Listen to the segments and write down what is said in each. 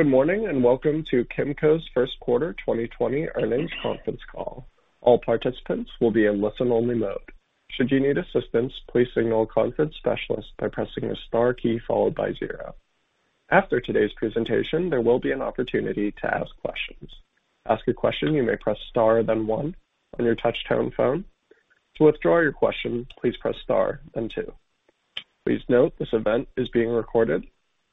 Good morning, and welcome to Kimco's first quarter 2020 earnings conference call. All participants will be in listen-only mode. Should you need assistance, please signal a conference specialist by pressing the star key followed by zero. After today's presentation, there will be an opportunity to ask questions. To ask a question, you may press star, then one on your touch-tone phone. To withdraw your question, please press star, then two. Please note this event is being recorded.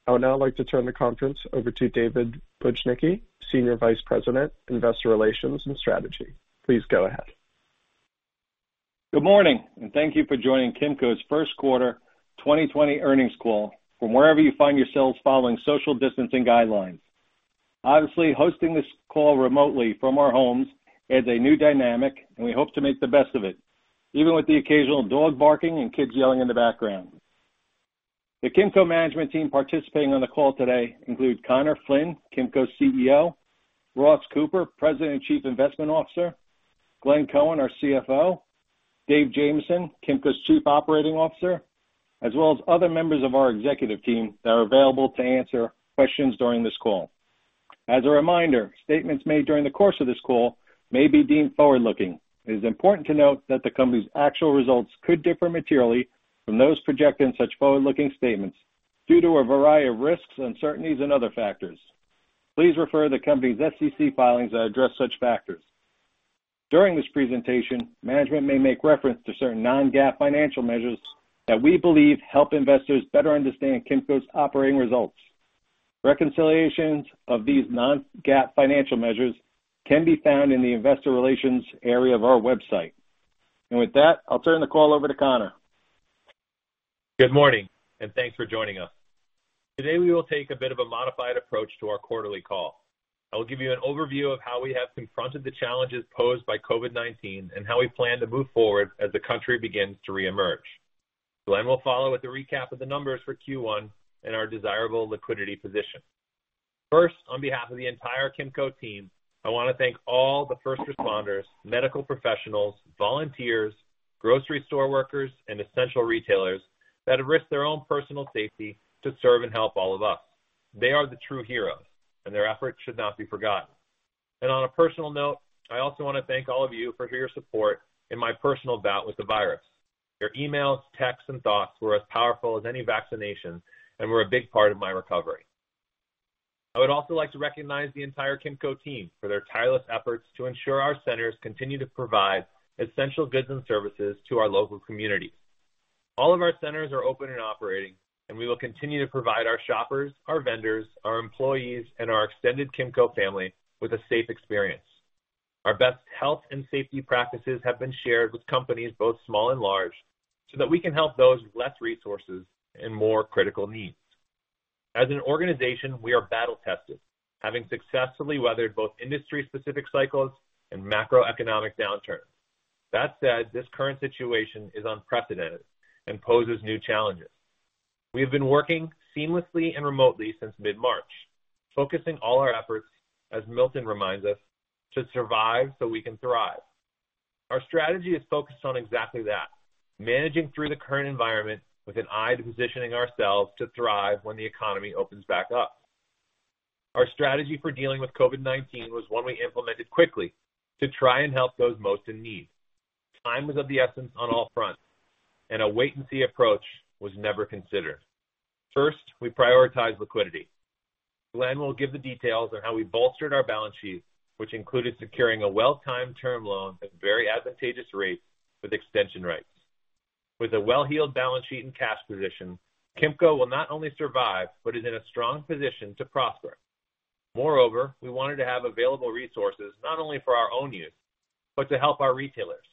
I would now like to turn the conference over to David Bujnicki, Senior Vice President, Investor Relations and Strategy. Please go ahead. Good morning, and thank you for joining Kimco's first quarter 2020 earnings call from wherever you find yourselves following social distancing guidelines. Obviously, hosting this call remotely from our homes adds a new dynamic, we hope to make the best of it, even with the occasional dog barking and kids yelling in the background. The Kimco Realty management team participating on the call today include Conor Flynn, Kimco Realty's CEO; Ross Cooper, President and Chief Investment Officer; Glenn Cohen, our CFO; Dave Jamieson, Kimco Realty's Chief Operating Officer, as well as other members of our executive team that are available to answer questions during this call. As a reminder, statements made during the course of this call may be deemed forward-looking. It is important to note that the company's actual results could differ materially from those projected in such forward-looking statements due to a variety of risks, uncertainties, and other factors. Please refer to the company's SEC filings that address such factors. During this presentation, management may make reference to certain non-GAAP financial measures that we believe help investors better understand Kimco's operating results. Reconciliations of these non-GAAP financial measures can be found in the investor relations area of our website. With that, I'll turn the call over to Conor. Good morning, and thanks for joining us. Today, we will take a bit of a modified approach to our quarterly call. I will give you an overview of how we have confronted the challenges posed by COVID-19 and how we plan to move forward as the country begins to reemerge. Glenn will follow with a recap of the numbers for Q1 and our desirable liquidity position. First, on behalf of the entire Kimco team, I want to thank all the first responders, medical professionals, volunteers, grocery store workers, and essential retailers that have risked their own personal safety to serve and help all of us. They are the true heroes, and their efforts should not be forgotten. On a personal note, I also want to thank all of you for your support in my personal bout with the virus. Your emails, texts, and thoughts were as powerful as any vaccination and were a big part of my recovery. I would also like to recognize the entire Kimco team for their tireless efforts to ensure our centers continue to provide essential goods and services to our local communities. All of our centers are open and operating, and we will continue to provide our shoppers, our vendors, our employees, and our extended Kimco family with a safe experience. Our best health and safety practices have been shared with companies both small and large, so that we can help those with less resources and more critical needs. As an organization, we are battle-tested, having successfully weathered both industry-specific cycles and macroeconomic downturns. That said, this current situation is unprecedented and poses new challenges. We have been working seamlessly and remotely since mid-March, focusing all our efforts, as Milton reminds us, to survive so we can thrive. Our strategy is focused on exactly that, managing through the current environment with an eye to positioning ourselves to thrive when the economy opens back up. Our strategy for dealing with COVID-19 was one we implemented quickly to try and help those most in need. Time was of the essence on all fronts, and a wait-and-see approach was never considered. First, we prioritized liquidity. Glenn will give the details on how we bolstered our balance sheet, which included securing a well-timed term loan at very advantageous rates with extension rights. With a well heeled balance sheet and cash position, Kimco will not only survive but is in a strong position to prosper. Moreover, we wanted to have available resources not only for our own use but to help our retailers,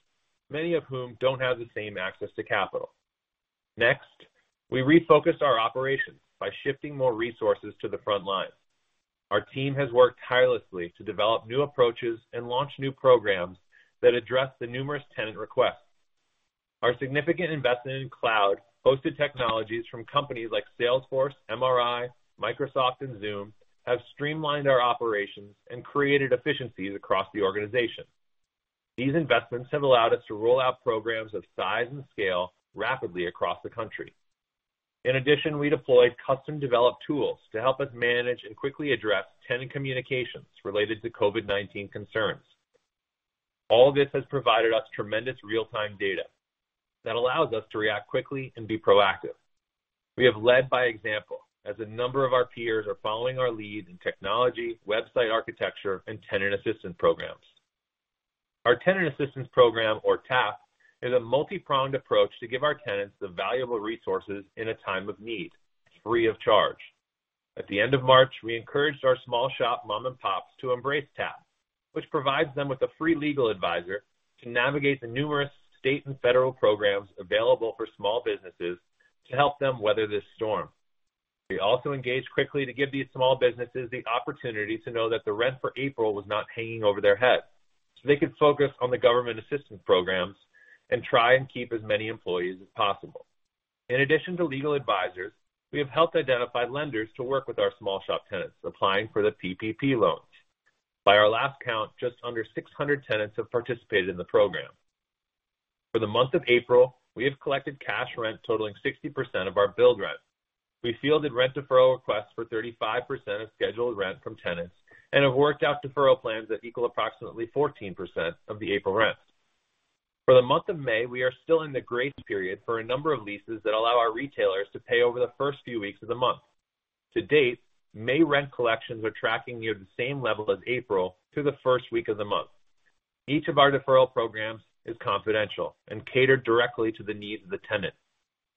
many of whom don't have the same access to capital. Next, we refocused our operations by shifting more resources to the front line. Our team has worked tirelessly to develop new approaches and launch new programs that address the numerous tenant requests. Our significant investment in cloud-hosted technologies from companies like Salesforce, MRI, Microsoft, and Zoom have streamlined our operations and created efficiencies across the organization. These investments have allowed us to roll out programs of size and scale rapidly across the country. In addition, we deployed custom-developed tools to help us manage and quickly address tenant communications related to COVID-19 concerns. All this has provided us tremendous real-time data that allows us to react quickly and be proactive. We have led by example, as a number of our peers are following our lead in technology, website architecture, and Tenant Assistance Programs. Our Tenant Assistance Program, or TAP, is a multi-pronged approach to give our tenants the valuable resources in a time of need, free of charge. At the end of March, we encouraged our small shop mom and pops to embrace TAP, which provides them with a free legal advisor to navigate the numerous state and federal programs available for small businesses to help them weather this storm. We also engaged quickly to give these small businesses the opportunity to know that the rent for April was not hanging over their head so they could focus on the government assistance programs and try and keep as many employees as possible. In addition to legal advisors, we have helped identify lenders to work with our small shop tenants applying for the PPP loans. By our last count, just under 600 tenants have participated in the program. For the month of April, we have collected cash rent totaling 60% of our billed rent. We fielded rent deferral requests for 35% of scheduled rent from tenants and have worked out deferral plans that equal approximately 14% of the April rent. For the month of May, we are still in the grace period for a number of leases that allow our retailers to pay over the first few weeks of the month. To date, May rent collections are tracking near the same level as April through the first week of the month. Each of our deferral programs is confidential and catered directly to the needs of the tenant.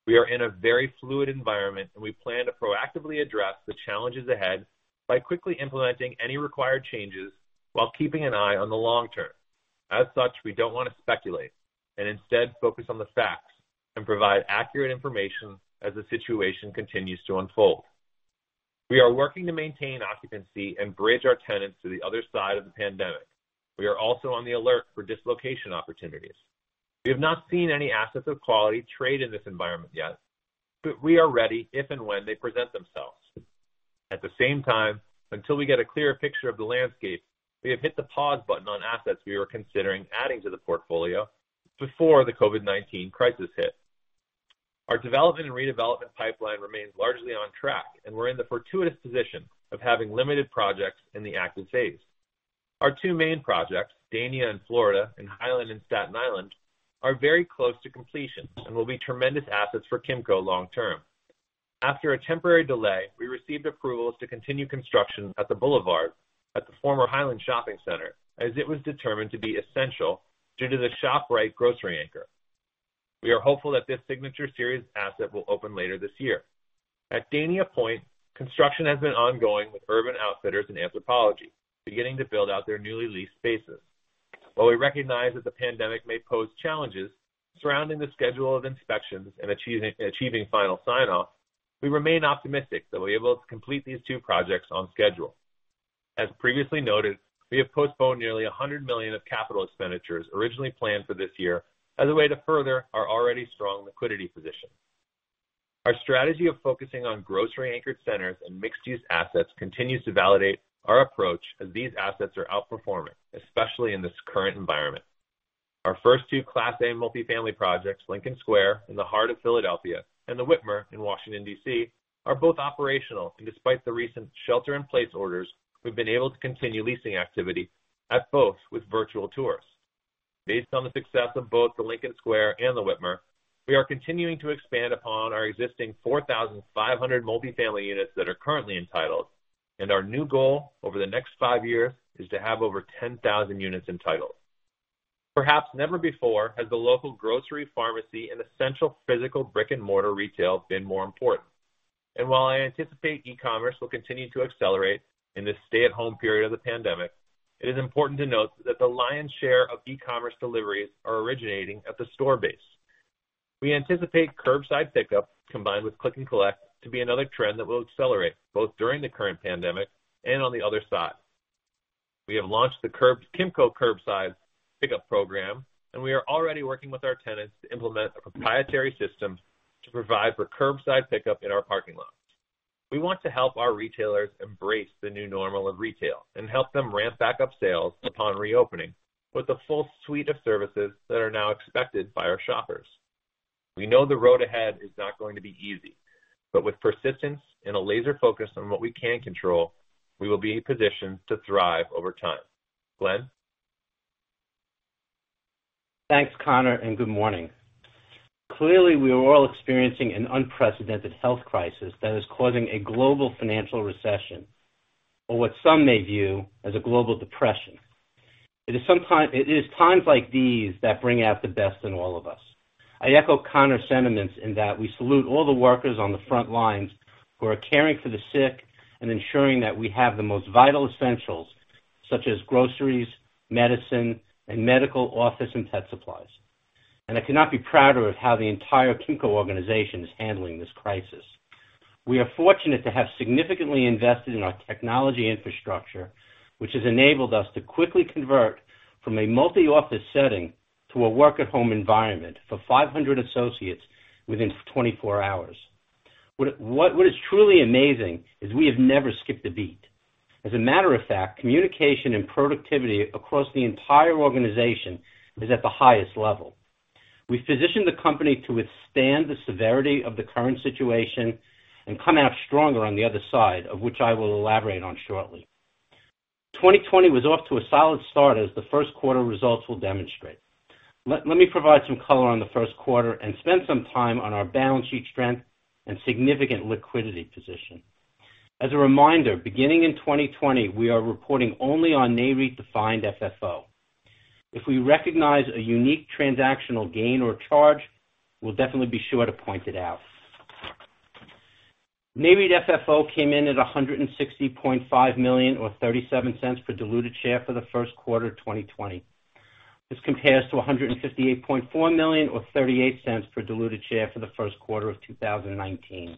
We are in a very fluid environment, and we plan to proactively address the challenges ahead by quickly implementing any required changes while keeping an eye on the long term. As such, we don't want to speculate, and instead focus on the facts and provide accurate information as the situation continues to unfold. We are working to maintain occupancy and bridge our tenants to the other side of the pandemic. We are also on the alert for dislocation opportunities. We have not seen any assets of quality trade in this environment yet, but we are ready if and when they present themselves. At the same time, until we get a clear picture of the landscape, we have hit the pause button on assets we were considering adding to the portfolio before the COVID-19 crisis hit. Our development and redevelopment pipeline remains largely on track, and we're in the fortuitous position of having limited projects in the active phase. Our two main projects, Dania in Florida and Highland in Staten Island, are very close to completion and will be tremendous assets for Kimco long term. After a temporary delay, we received approvals to continue construction at The Boulevard at the former Highland Shopping Center as it was determined to be essential due to the ShopRite grocery anchor. We are hopeful that this signature series asset will open later this year. At Dania Point, construction has been ongoing with Urban Outfitters and Anthropologie beginning to build out their newly leased spaces. While we recognize that the pandemic may pose challenges surrounding the schedule of inspections and achieving final sign-off, we remain optimistic that we'll be able to complete these two projects on schedule. As previously noted, we have postponed nearly $100 million of capital expenditures originally planned for this year as a way to further our already strong liquidity position. Our strategy of focusing on grocery-anchored centers and mixed-use assets continues to validate our approach as these assets are outperforming, especially in this current environment. Our first two class A multifamily projects, Lincoln Square in the heart of Philadelphia and The Witmer in Washington, D.C., are both operational. Despite the recent shelter in place orders, we've been able to continue leasing activity at both with virtual tours. Based on the success of both the Lincoln Square and The Witmer, we are continuing to expand upon our existing 4,500 multifamily units that are currently entitled, and our new goal over the next five years is to have over 10,000 units entitled. Perhaps never before has the local grocery, pharmacy, and essential physical brick-and-mortar retail been more important. While I anticipate e-commerce will continue to accelerate in this stay-at-home period of the pandemic, it is important to note that the lion's share of e-commerce deliveries are originating at the store base. We anticipate Curbside Pickup combined with click and collect to be another trend that will accelerate both during the current pandemic and on the other side. We have launched the Kimco Curbside Pickup program, and we are already working with our tenants to implement a proprietary system to provide for Curbside Pickup in our parking lots. We want to help our retailers embrace the new normal of retail and help them ramp back up sales upon reopening with the full suite of services that are now expected by our shoppers. We know the road ahead is not going to be easy, but with persistence and a laser focus on what we can control, we will be positioned to thrive over time. Glenn? Thanks, Conor, good morning. Clearly, we are all experiencing an unprecedented health crisis that is causing a global financial recession, or what some may view as a global depression. It is times like these that bring out the best in all of us. I echo Conor's sentiments in that we salute all the workers on the front lines who are caring for the sick and ensuring that we have the most vital essentials, such as groceries, medicine, and medical, office, and pet supplies. I could not be prouder of how the entire Kimco organization is handling this crisis. We are fortunate to have significantly invested in our technology infrastructure, which has enabled us to quickly convert from a multi-office setting to a work-at-home environment for 500 associates within 24 hours. What is truly amazing is we have never skipped a beat. As a matter of fact, communication and productivity across the entire organization is at the highest level. We've positioned the company to withstand the severity of the current situation and come out stronger on the other side, of which I will elaborate on shortly. 2020 was off to a solid start as the first quarter results will demonstrate. Let me provide some color on the first quarter and spend some time on our balance sheet strength and significant liquidity position. As a reminder, beginning in 2020, we are reporting only on NAREIT-defined FFO. If we recognize a unique transactional gain or charge, we'll definitely be sure to point it out. NAREIT FFO came in at $160.5 million, or $0.37 per diluted share for the first quarter of 2020. This compares to $158.4 million or $0.38 per diluted share for the first quarter of 2019.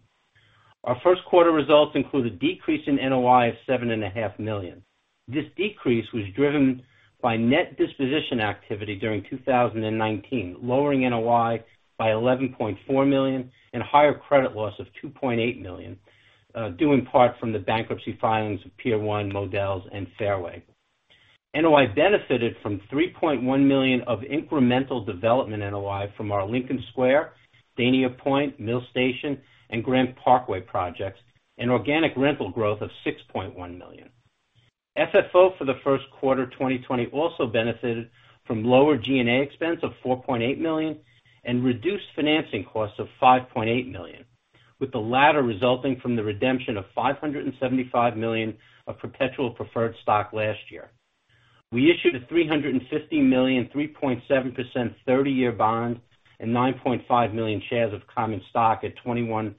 Our first quarter results include a decrease in NOI of $7.5 million. This decrease was driven by net disposition activity during 2019, lowering NOI by $11.4 million and higher credit loss of $2.8 million, due in part from the bankruptcy filings of Pier 1, Modell's, and Fairway. NOI benefited from $3.1 million of incremental development NOI from our Lincoln Square, Dania Point, Mill Station, and Grand Parkway projects, and organic rental growth of $6.1 million. FFO for the first quarter 2020 also benefited from lower G&A expense of $4.8 million and reduced financing costs of $5.8 million, with the latter resulting from the redemption of $575 million of perpetual preferred stock last year. We issued a $350 million, 3.7%, 30-year bond and 9.5 million shares of common stock at $21.03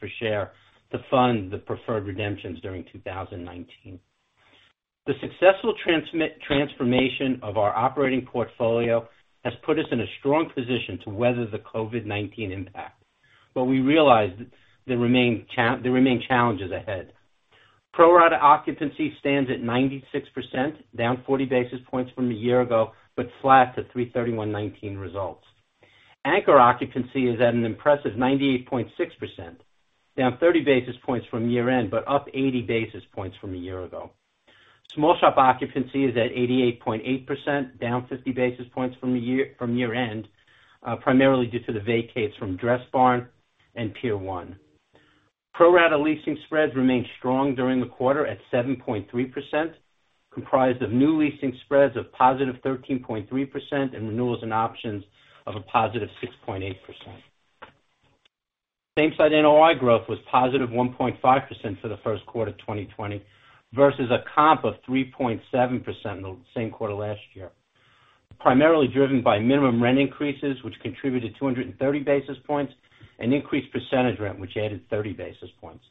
per share to fund the preferred redemptions during 2019. The successful transformation of our operating portfolio has put us in a strong position to weather the COVID-19 impact. We realize there remain challenges ahead. Pro rata occupancy stands at 96%, down 40 basis points from a year ago, but flat to 3/31/2019 results. Anchor occupancy is at an impressive 98.6%, down 30 basis points from year-end, but up 80 basis points from a year ago. Small shop occupancy is at 88.8%, down 50 basis points from year-end, primarily due to the vacates from Dressbarn and Pier 1. Pro rata leasing spreads remained strong during the quarter at 7.3%, comprised of new leasing spreads of +13.3% in renewals and options of a +6.8%. Same-site NOI growth was +1.5% for the first quarter 2020 versus a comp of 3.7% in the same quarter last year, primarily driven by minimum rent increases, which contributed 230 basis points and increased percentage rent, which added 30 basis points.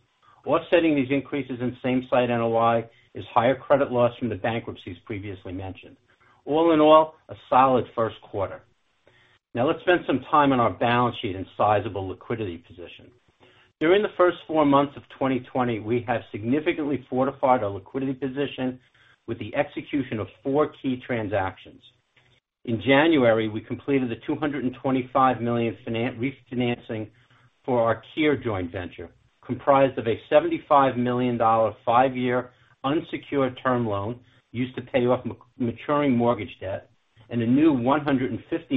Offsetting these increases in same-site NOI is higher credit loss from the bankruptcies previously mentioned. All in all, a solid first quarter. Let's spend some time on our balance sheet and sizable liquidity position. During the first four months of 2020, we have significantly fortified our liquidity position with the execution of four key transactions. In January, we completed the $225 million refinancing for our KIR joint venture, comprised of a $75 million five-year unsecured term loan used to pay off maturing mortgage debt and a new $150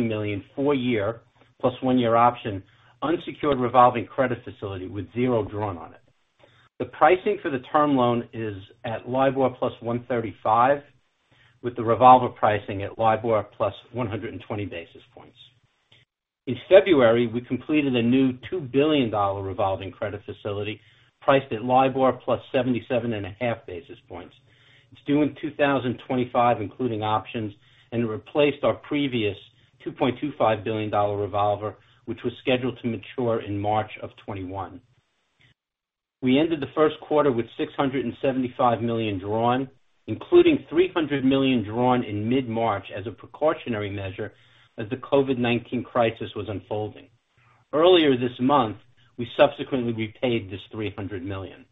million four-year plus one-year option unsecured revolving credit facility with zero drawn on it. The pricing for the term loan is at LIBOR plus 135, with the revolver pricing at LIBOR plus 120 basis points. In February, we completed a new $2 billion revolving credit facility priced at LIBOR plus 77.5 basis points. It's due in 2025, including options, and it replaced our previous $2.25 billion revolver, which was scheduled to mature in March of 2021. We ended the first quarter with $675 million drawn, including $300 million drawn in mid-March as a precautionary measure as the COVID-19 crisis was unfolding. Earlier this month, we subsequently repaid this $300 million.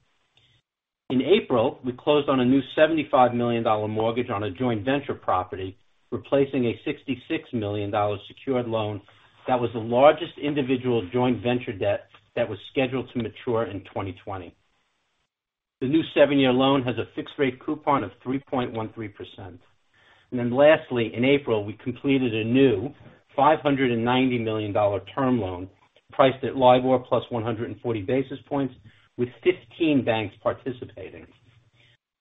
In April, we closed on a new $75 million mortgage on a joint venture property, replacing a $66 million secured loan that was the largest individual joint venture debt that was scheduled to mature in 2020. The new seven-year loan has a fixed rate coupon of 3.13%. Lastly, in April, we completed a new $590 million term loan priced at LIBOR plus 140 basis points with 15 banks participating.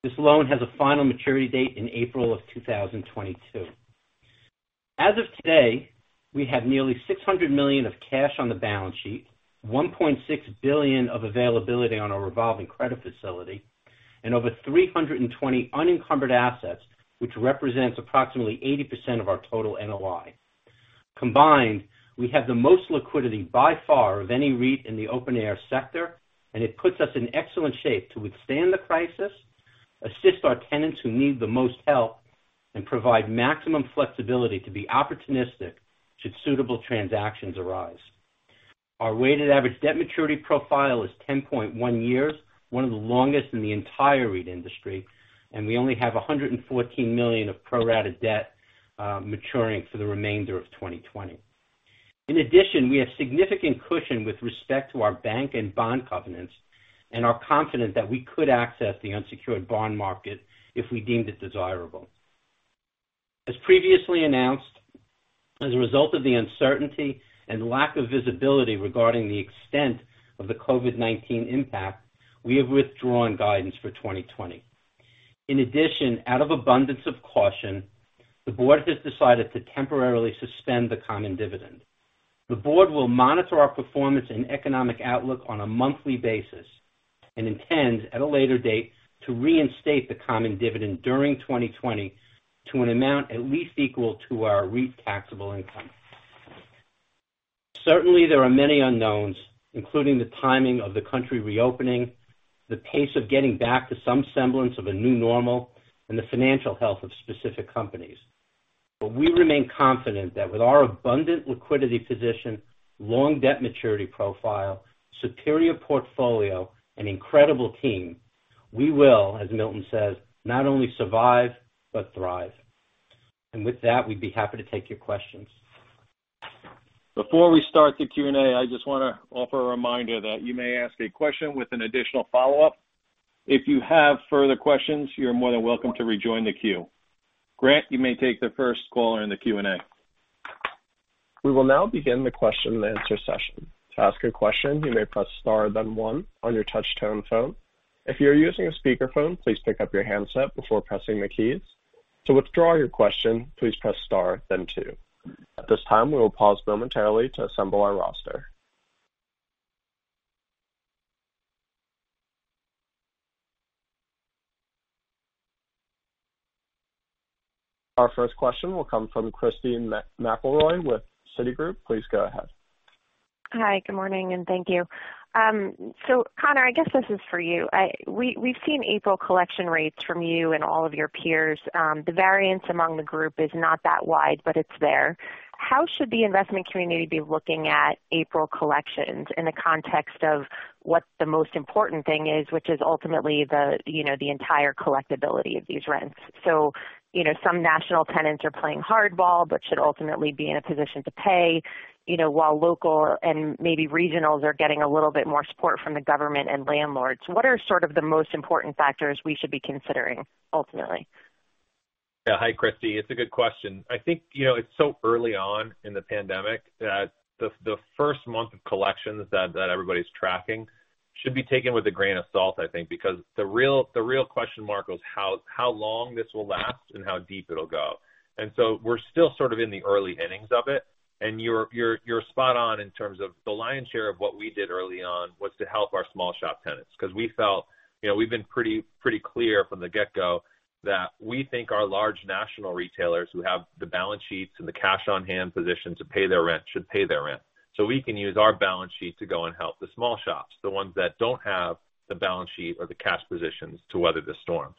This loan has a final maturity date in April of 2022. As of today, we have nearly $600 million of cash on the balance sheet, $1.6 billion of availability on our revolving credit facility and over 320 unencumbered assets, which represents approximately 80% of our total NOI. Combined, we have the most liquidity by far of any REIT in the open air sector. It puts us in excellent shape to withstand the crisis, assist our tenants who need the most help and provide maximum flexibility to be opportunistic should suitable transactions arise. Our weighted average debt maturity profile is 10.1 years, one of the longest in the entire REIT industry. We only have $114 million of pro-rata debt maturing for the remainder of 2020. In addition, we have significant cushion with respect to our bank and bond covenants and are confident that we could access the unsecured bond market if we deemed it desirable. As previously announced, as a result of the uncertainty and lack of visibility regarding the extent of the COVID-19 impact, we have withdrawn guidance for 2020. In addition, out of abundance of caution, the board has decided to temporarily suspend the common dividend. The board will monitor our performance and economic outlook on a monthly basis and intends, at a later date, to reinstate the common dividend during 2020 to an amount at least equal to our REIT taxable income. Certainly, there are many unknowns, including the timing of the country reopening, the pace of getting back to some semblance of a new normal, and the financial health of specific companies. We remain confident that with our abundant liquidity position, long debt maturity profile, superior portfolio, and incredible team, we will, as Milton says, not only survive but thrive. With that, we'd be happy to take your questions. Before we start the Q&A, I just want to offer a reminder that you may ask a question with an additional follow-up. If you have further questions, you are more than welcome to rejoin the queue. Grant, you may take the first caller in the Q&A. We will now begin the question and answer session. To ask a question, you may press star then one on your touch-tone phone. If you're using a speakerphone, please pick up your handset before pressing the keys. To withdraw your question, please press star then two. At this time, we will pause momentarily to assemble our roster. Our first question will come from Christy McElroy with Citigroup. Please go ahead. Hi, good morning, and thank you. Conor, I guess this is for you. We've seen April collection rates from you and all of your peers. The variance among the group is not that wide, but it's there. How should the investment community be looking at April collections in the context of what the most important thing is, which is ultimately the entire collectibility of these rents? Some national tenants are playing hardball but should ultimately be in a position to pay, while local and maybe regionals are getting a little bit more support from the government and landlords. What are sort of the most important factors we should be considering ultimately? Hi, Christy. It's a good question. I think it's so early on in the pandemic that the first month of collections that everybody's tracking should be taken with a grain of salt because the real question mark was how long this will last and how deep it'll go. We're still sort of in the early innings of it, and you're spot on in terms of the lion's share of what we did early on was to help our small shop tenants. We've been pretty clear from the get-go that we think our large national retailers who have the balance sheets and the cash on hand position to pay their rent should pay their rent, so we can use our balance sheet to go and help the small shops, the ones that don't have the balance sheet or the cash positions to weather the storm.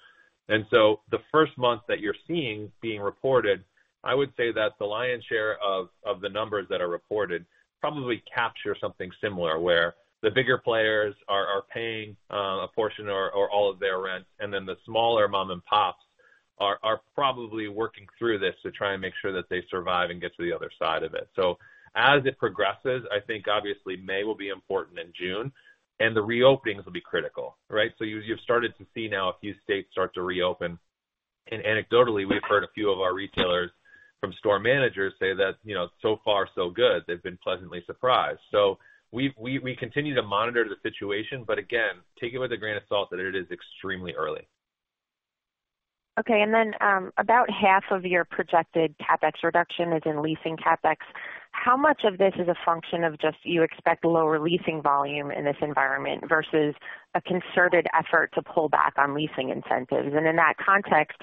The first month that you're seeing being reported, I would say that the lion's share of the numbers that are reported probably capture something similar, where the bigger players are paying a portion or all of their rent, and then the smaller mom and pops are probably working through this to try and make sure that they survive and get to the other side of it. As it progresses, I think obviously May will be important in June and the reopenings will be critical, right. You've started to see now a few states start to reopen, and anecdotally, we've heard a few of our retailers from store managers say that so far so good, they've been pleasantly surprised. We continue to monitor the situation, but again, take it with a grain of salt that it is extremely early. Okay, then about half of your projected CapEx reduction is in leasing CapEx. How much of this is a function of just you expect lower leasing volume in this environment versus a concerted effort to pull back on leasing incentives? In that context,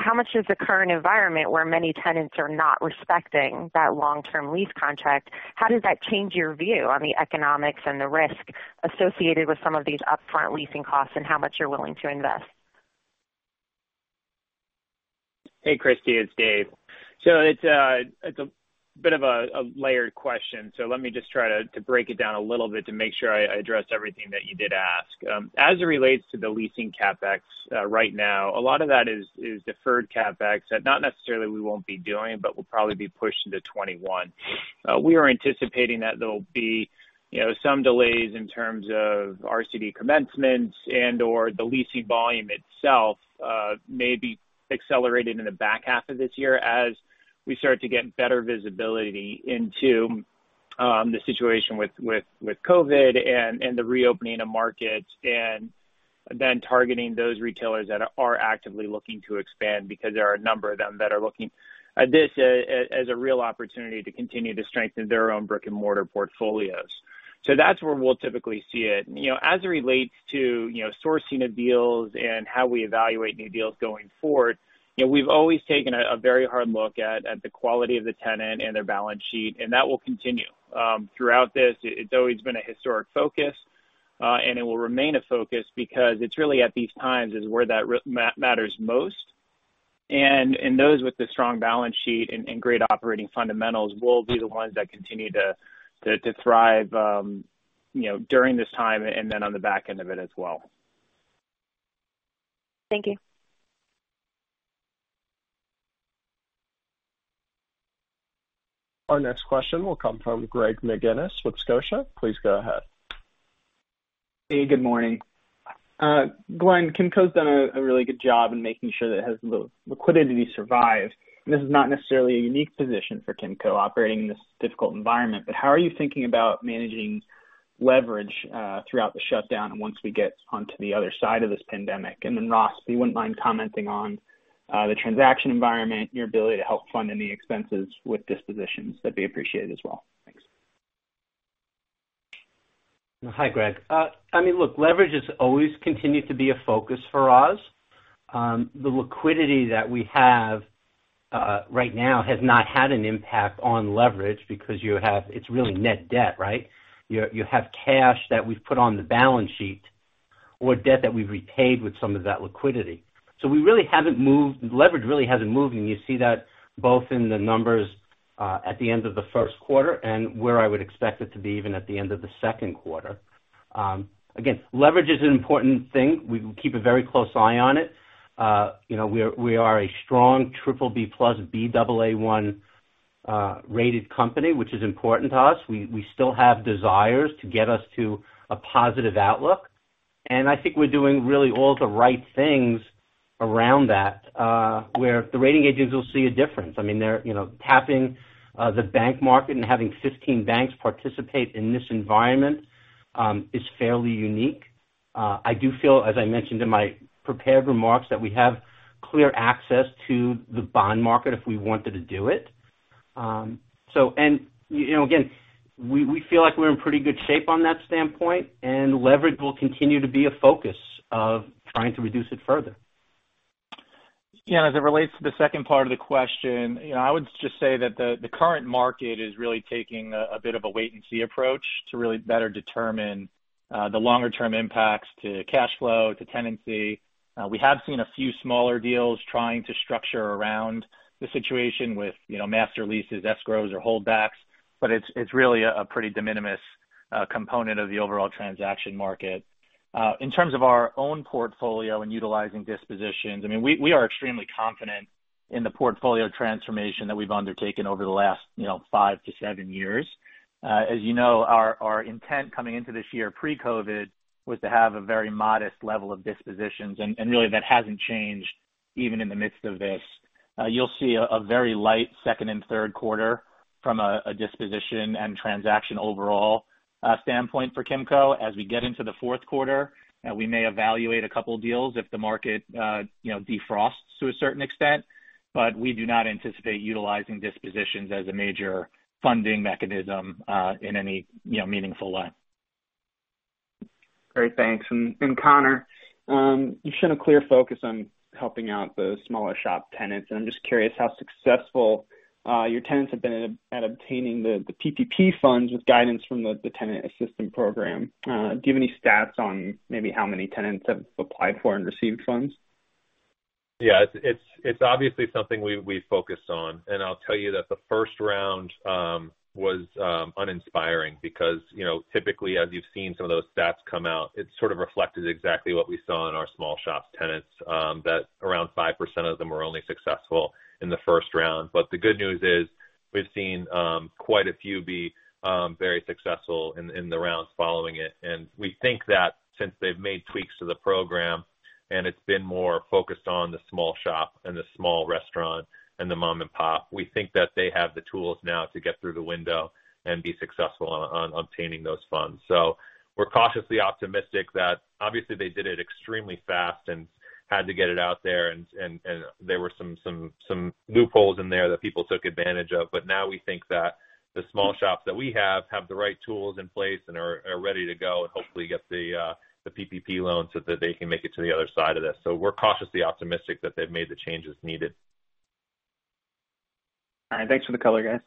how much does the current environment where many tenants are not respecting that long-term lease contract, how does that change your view on the economics and the risk associated with some of these upfront leasing costs and how much you're willing to invest? Hey, Christy, it's Dave. It's a bit of a layered question, so let me just try to break it down a little bit to make sure I address everything that you did ask. As it relates to the leasing CapEx right now, a lot of that is deferred CapEx that not necessarily we won't be doing, but will probably be pushed into 2021. We are anticipating that there will be some delays in terms of RCD commencements and/or the leasing volume itself may be accelerated in the back half of this year as we start to get better visibility into the situation with COVID and the reopening of markets, and then targeting those retailers that are actively looking to expand because there are a number of them that are looking at this as a real opportunity to continue to strengthen their own brick-and-mortar portfolios. That's where we'll typically see it. As it relates to sourcing of deals and how we evaluate new deals going forward, we've always taken a very hard look at the quality of the tenant and their balance sheet, and that will continue. Throughout this, it's always been a historic focus, and it will remain a focus because it's really at these times is where that matters most. Those with the strong balance sheet and great operating fundamentals will be the ones that continue to thrive during this time and then on the back end of it as well. Thank you. Our next question will come from Greg McGinniss with Scotia. Please go ahead. Hey, good morning. Glenn, Kimco's done a really good job in making sure that it has the liquidity to survive. This is not necessarily a unique position for Kimco operating in this difficult environment. How are you thinking about managing leverage throughout the shutdown and once we get onto the other side of this pandemic? Ross, if you wouldn't mind commenting on the transaction environment, your ability to help fund any expenses with dispositions, that'd be appreciated as well. Thanks. Hi, Greg. Leverage has always continued to be a focus for us. The liquidity that we have right now has not had an impact on leverage because it's really net debt, right? You have cash that we've put on the balance sheet or debt that we've repaid with some of that liquidity. Leverage really hasn't moved, and you see that both in the numbers at the end of the first quarter and where I would expect it to be even at the end of the second quarter. Leverage is an important thing. We keep a very close eye on it. We are a strong BBB+, Baa1 rated company, which is important to us. We still have desires to get us to a positive outlook. I think we're doing really all the right things around that, where the rating agencies will see a difference. Tapping the bank market and having 15 banks participate in this environment is fairly unique. I do feel, as I mentioned in my prepared remarks, that we have clear access to the bond market if we wanted to do it. Again, we feel like we're in pretty good shape on that standpoint, and leverage will continue to be a focus of trying to reduce it further. As it relates to the second part of the question, I would just say that the current market is really taking a bit of a wait-and-see approach to really better determine the longer-term impacts to cash flow, to tenancy. We have seen a few smaller deals trying to structure around the situation with master leases, escrows, or holdbacks. It's really a pretty de minimis component of the overall transaction market. In terms of our own portfolio and utilizing dispositions, we are extremely confident in the portfolio transformation that we've undertaken over the last five to seven years. As you know, our intent coming into this year pre-COVID was to have a very modest level of dispositions. Really, that hasn't changed even in the midst of this. You'll see a very light second and third quarter from a disposition and transaction overall standpoint for Kimco. As we get into the fourth quarter, we may evaluate a couple deals if the market defrosts to a certain extent, but we do not anticipate utilizing dispositions as a major funding mechanism in any meaningful way. Great. Thanks. Conor, you've shown a clear focus on helping out the smaller shop tenants, and I'm just curious how successful your tenants have been at obtaining the PPP funds with guidance from the Tenant Assistance Program. Do you have any stats on maybe how many tenants have applied for and received funds? Yeah. It's obviously something we've focused on. I'll tell you that the first round was uninspiring because typically, as you've seen some of those stats come out, it sort of reflected exactly what we saw in our small shop tenants, that around 5% of them were only successful in the first round. The good news is we've seen quite a few be very successful in the rounds following it. We think that since they've made tweaks to the program and it's been more focused on the small shop and the small restaurant and the mom-and-pop, we think that they have the tools now to get through the window and be successful on obtaining those funds. We're cautiously optimistic that obviously they did it extremely fast and had to get it out there, and there were some loopholes in there that people took advantage of. Now we think that the small shops that we have the right tools in place and are ready to go and hopefully get the PPP loan so that they can make it to the other side of this. We're cautiously optimistic that they've made the changes needed. All right. Thanks for the color, guys.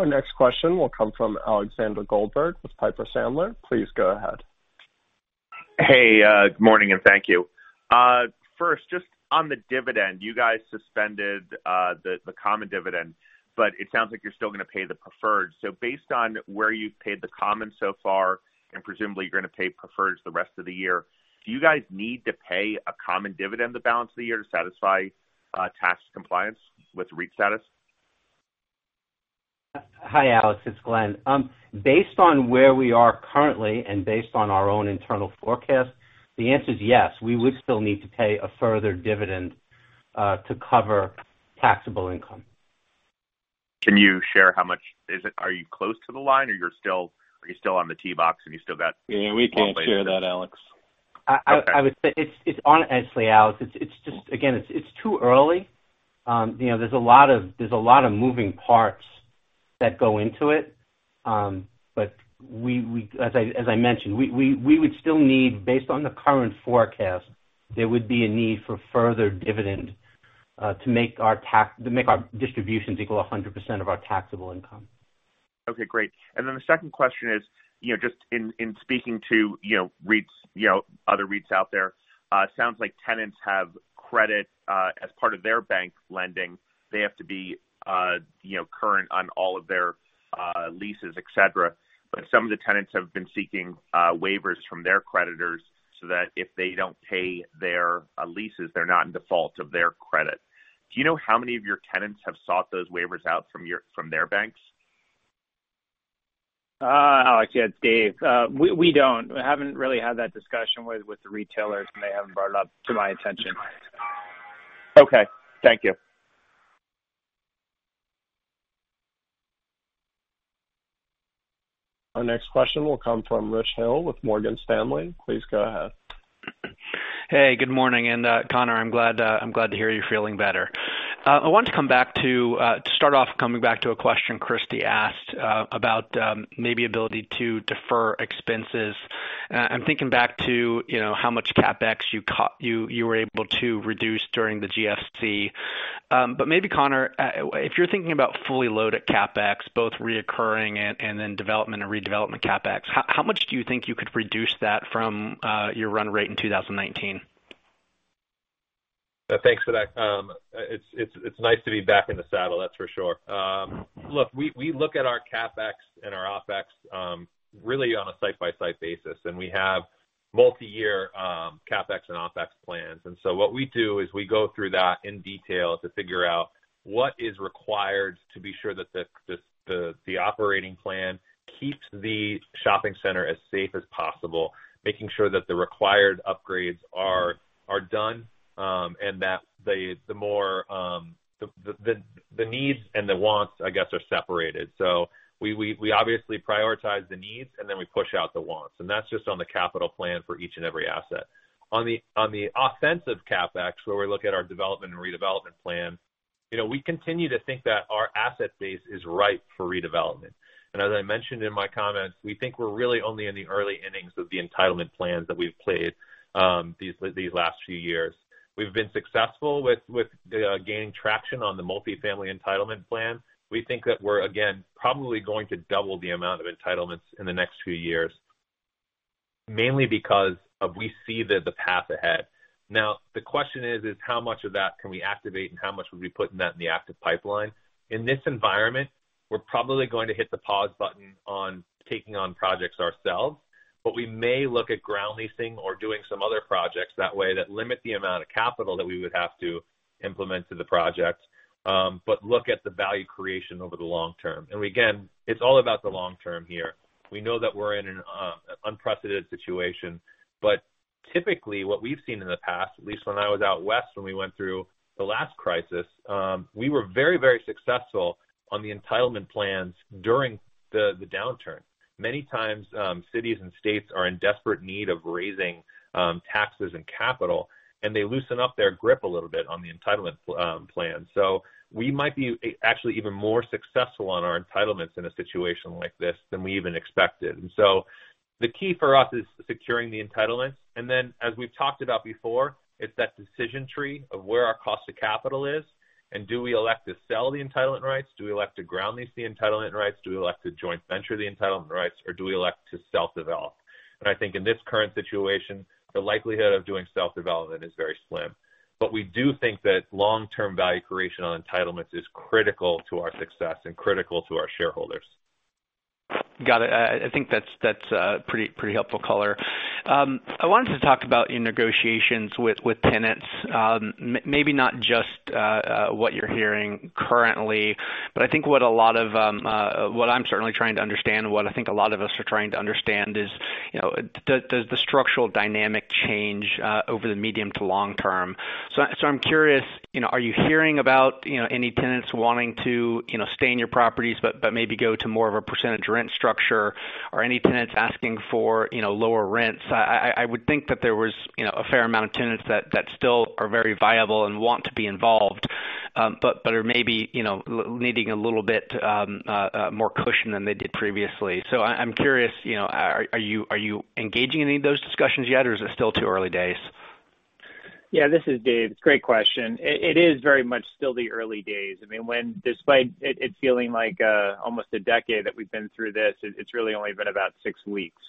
Our next question will come from Alexander Goldfarb with Piper Sandler. Please go ahead. Good morning, and thank you. First, just on the dividend. You guys suspended the common dividend, but it sounds like you're still going to pay the preferred. Based on where you've paid the common so far, and presumably you're going to pay preferred the rest of the year, do you guys need to pay a common dividend the balance of the year to satisfy tax compliance with REIT status? Hi, Alex. It's Glenn. Based on where we are currently and based on our own internal forecast, the answer is yes. We would still need to pay a further dividend to cover taxable income. Can you share how much is it? Are you close to the line or are you still on the tee box? Yeah, we can't share that, Alex. Okay. Honestly, Alex, again, it's too early. There's a lot of moving parts that go into it. As I mentioned, based on the current forecast, there would be a need for further dividend to make our distributions equal 100% of our taxable income. Okay, great. The second question is, just in speaking to other REITs out there. Sounds like tenants have credit as part of their bank lending. They have to be current on all of their leases, et cetera. Some of the tenants have been seeking waivers from their creditors so that if they don't pay their leases, they're not in default of their credit. Do you know how many of your tenants have sought those waivers out from their banks? Alex, yeah, it's Dave. We don't. We haven't really had that discussion with the retailers, and they haven't brought it up to my attention. Okay. Thank you. Our next question will come from Rich Hill with Morgan Stanley. Please go ahead. Hey, good morning. Conor, I'm glad to hear you're feeling better. I wanted to start off coming back to a question Christy asked about maybe ability to defer expenses. I'm thinking back to how much CapEx you were able to reduce during the GFC. Maybe Conor, if you're thinking about fully loaded CapEx, both reoccurring and then development and redevelopment CapEx, how much do you think you could reduce that from your run rate in 2019? Thanks for that. It's nice to be back in the saddle, that's for sure. We look at our CapEx and our OpEx really on a site-by-site basis, and we have multi-year CapEx and OpEx plans. What we do is we go through that in detail to figure out what is required to be sure that the operating plan keeps the shopping center as safe as possible, making sure that the required upgrades are done, and that the needs and the wants, I guess, are separated. We obviously prioritize the needs, and then we push out the wants. That's just on the capital plan for each and every asset. On the offensive CapEx, where we look at our development and redevelopment plan, we continue to think that our asset base is ripe for redevelopment. As I mentioned in my comments, we think we're really only in the early innings of the entitlement plans that we've played these last few years. We've been successful with gaining traction on the multifamily entitlement plan. We think that we're, again, probably going to double the amount of entitlements in the next few years, mainly because we see the path ahead. The question is, how much of that can we activate and how much would we put in that in the active pipeline? In this environment, we're probably going to hit the pause button on taking on projects ourselves. We may look at ground leasing or doing some other projects that way that limit the amount of capital that we would have to implement to the project, but look at the value creation over the long term. Again, it's all about the long term here. We know that we're in an unprecedented situation, typically what we've seen in the past, at least when I was out West when we went through the last crisis, we were very successful on the entitlement plans during the downturn. Many times, cities and states are in desperate need of raising taxes and capital, they loosen up their grip a little bit on the entitlement plan. We might be actually even more successful on our entitlements in a situation like this than we even expected. The key for us is securing the entitlements. Then, as we've talked about before, it's that decision tree of where our cost of capital is, do we elect to sell the entitlement rights? Do we elect to ground lease the entitlement rights? Do we elect to joint venture the entitlement rights, do we elect to self-develop? I think in this current situation, the likelihood of doing self-development is very slim. We do think that long-term value creation on entitlements is critical to our success and critical to our shareholders. Got it. I think that's a pretty helpful color. I wanted to talk about your negotiations with tenants. Maybe not just what you're hearing currently, but I think what I'm certainly trying to understand and what I think a lot of us are trying to understand is, does the structural dynamic change over the medium to long term? I'm curious, are you hearing about any tenants wanting to stay in your properties but maybe go to more of a percentage rent structure, or any tenants asking for lower rents? I would think that there was a fair amount of tenants that still are very viable and want to be involved, but are maybe needing a little bit more cushion than they did previously. I'm curious, are you engaging in any of those discussions yet, or is it still too early days? Yeah, this is Dave. It's a great question. It is very much still the early days. Despite it feeling like almost a decade that we've been through this, it's really only been about six weeks.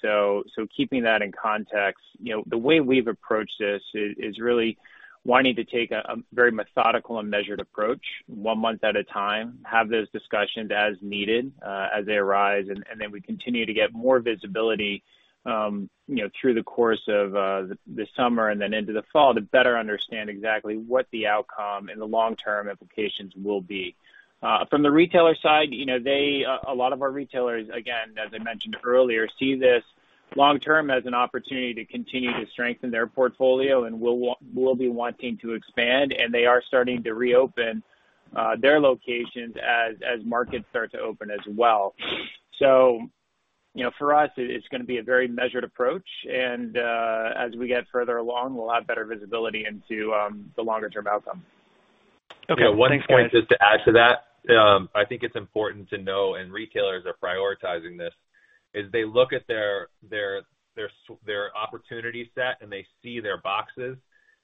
Keeping that in context, the way we've approached this is really wanting to take a very methodical and measured approach one month at a time, have those discussions as needed as they arise, and then we continue to get more visibility through the course of the summer and then into the fall to better understand exactly what the outcome and the long-term implications will be. From the retailer side, a lot of our retailers, again, as I mentioned earlier, see this long term as an opportunity to continue to strengthen their portfolio and will be wanting to expand, and they are starting to reopen their locations as markets start to open as well. For us, it's going to be a very measured approach, and as we get further along, we'll have better visibility into the longer-term outcome. Okay. Thanks, guys. Yeah, one point just to add to that. I think it's important to know, and retailers are prioritizing this, is they look at their opportunity set and they see their boxes,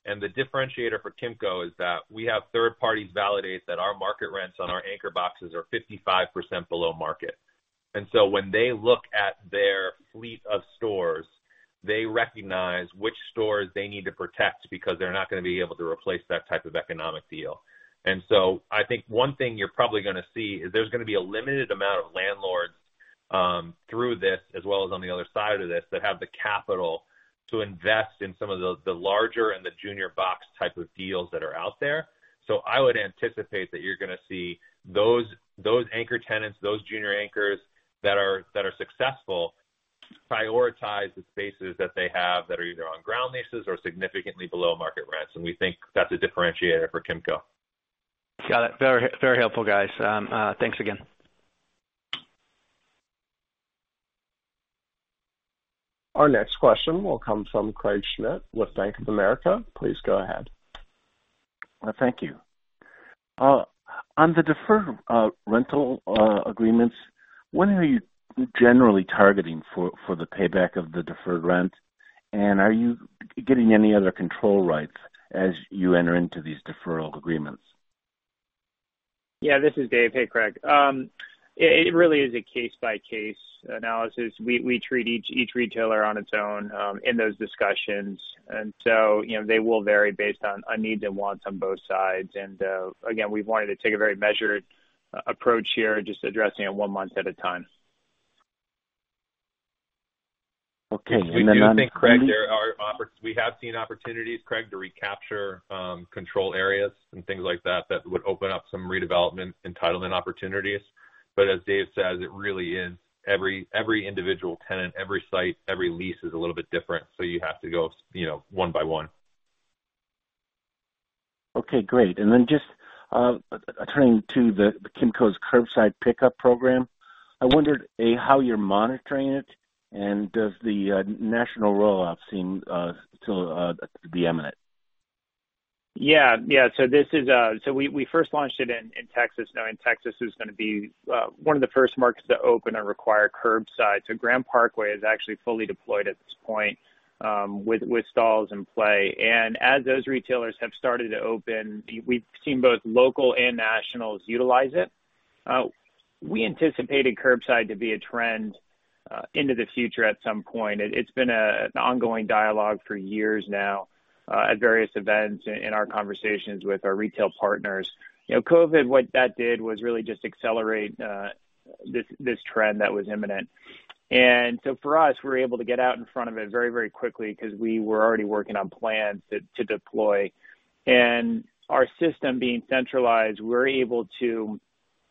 and the differentiator for Kimco is that we have third parties validate that our market rents on our anchor boxes are 55% below market. When they look at their fleet of stores, they recognize which stores they need to protect because they're not going to be able to replace that type of economic deal. I think one thing you're probably going to see is there's going to be a limited amount of landlords through this, as well as on the other side of this, that have the capital to invest in some of the larger and the junior box type of deals that are out there. I would anticipate that you're going to see those anchor tenants, those junior anchors that are successful, prioritize the spaces that they have that are either on ground leases or significantly below market rents, and we think that's a differentiator for Kimco. Got it. Very helpful, guys. Thanks again. Our next question will come from Craig Schmidt with Bank of America. Please go ahead. Thank you. On the deferred rental agreements, when are you generally targeting for the payback of the deferred rent? Are you getting any other control rights as you enter into these deferral agreements? Yeah, this is Dave. Hey, Craig. It really is a case-by-case analysis. We treat each retailer on its own in those discussions. They will vary based on needs and wants on both sides. Again, we've wanted to take a very measured approach here, just addressing it one month at a time. Okay. We do think, Craig, we have seen opportunities, Craig, to recapture control areas and things like that would open up some redevelopment entitlement opportunities. As Dave says, it really is every individual tenant, every site, every lease is a little bit different. You have to go one by one. Okay, great. Just turning to Kimco's Curbside Pickup program. I wondered, A, how you're monitoring it, and does the national rollout seem to be imminent? Yeah. We first launched it in Texas, knowing Texas was going to be one of the first markets to open and require curbside. Grand Parkway is actually fully deployed at this point, with stalls in play. As those retailers have started to open, we've seen both local and nationals utilize it. We anticipated curbside to be a trend into the future at some point. It's been an ongoing dialogue for years now at various events in our conversations with our retail partners. COVID, what that did was really just accelerate this trend that was imminent. For us, we were able to get out in front of it very, very quickly because we were already working on plans to deploy. Our system being centralized, we're able to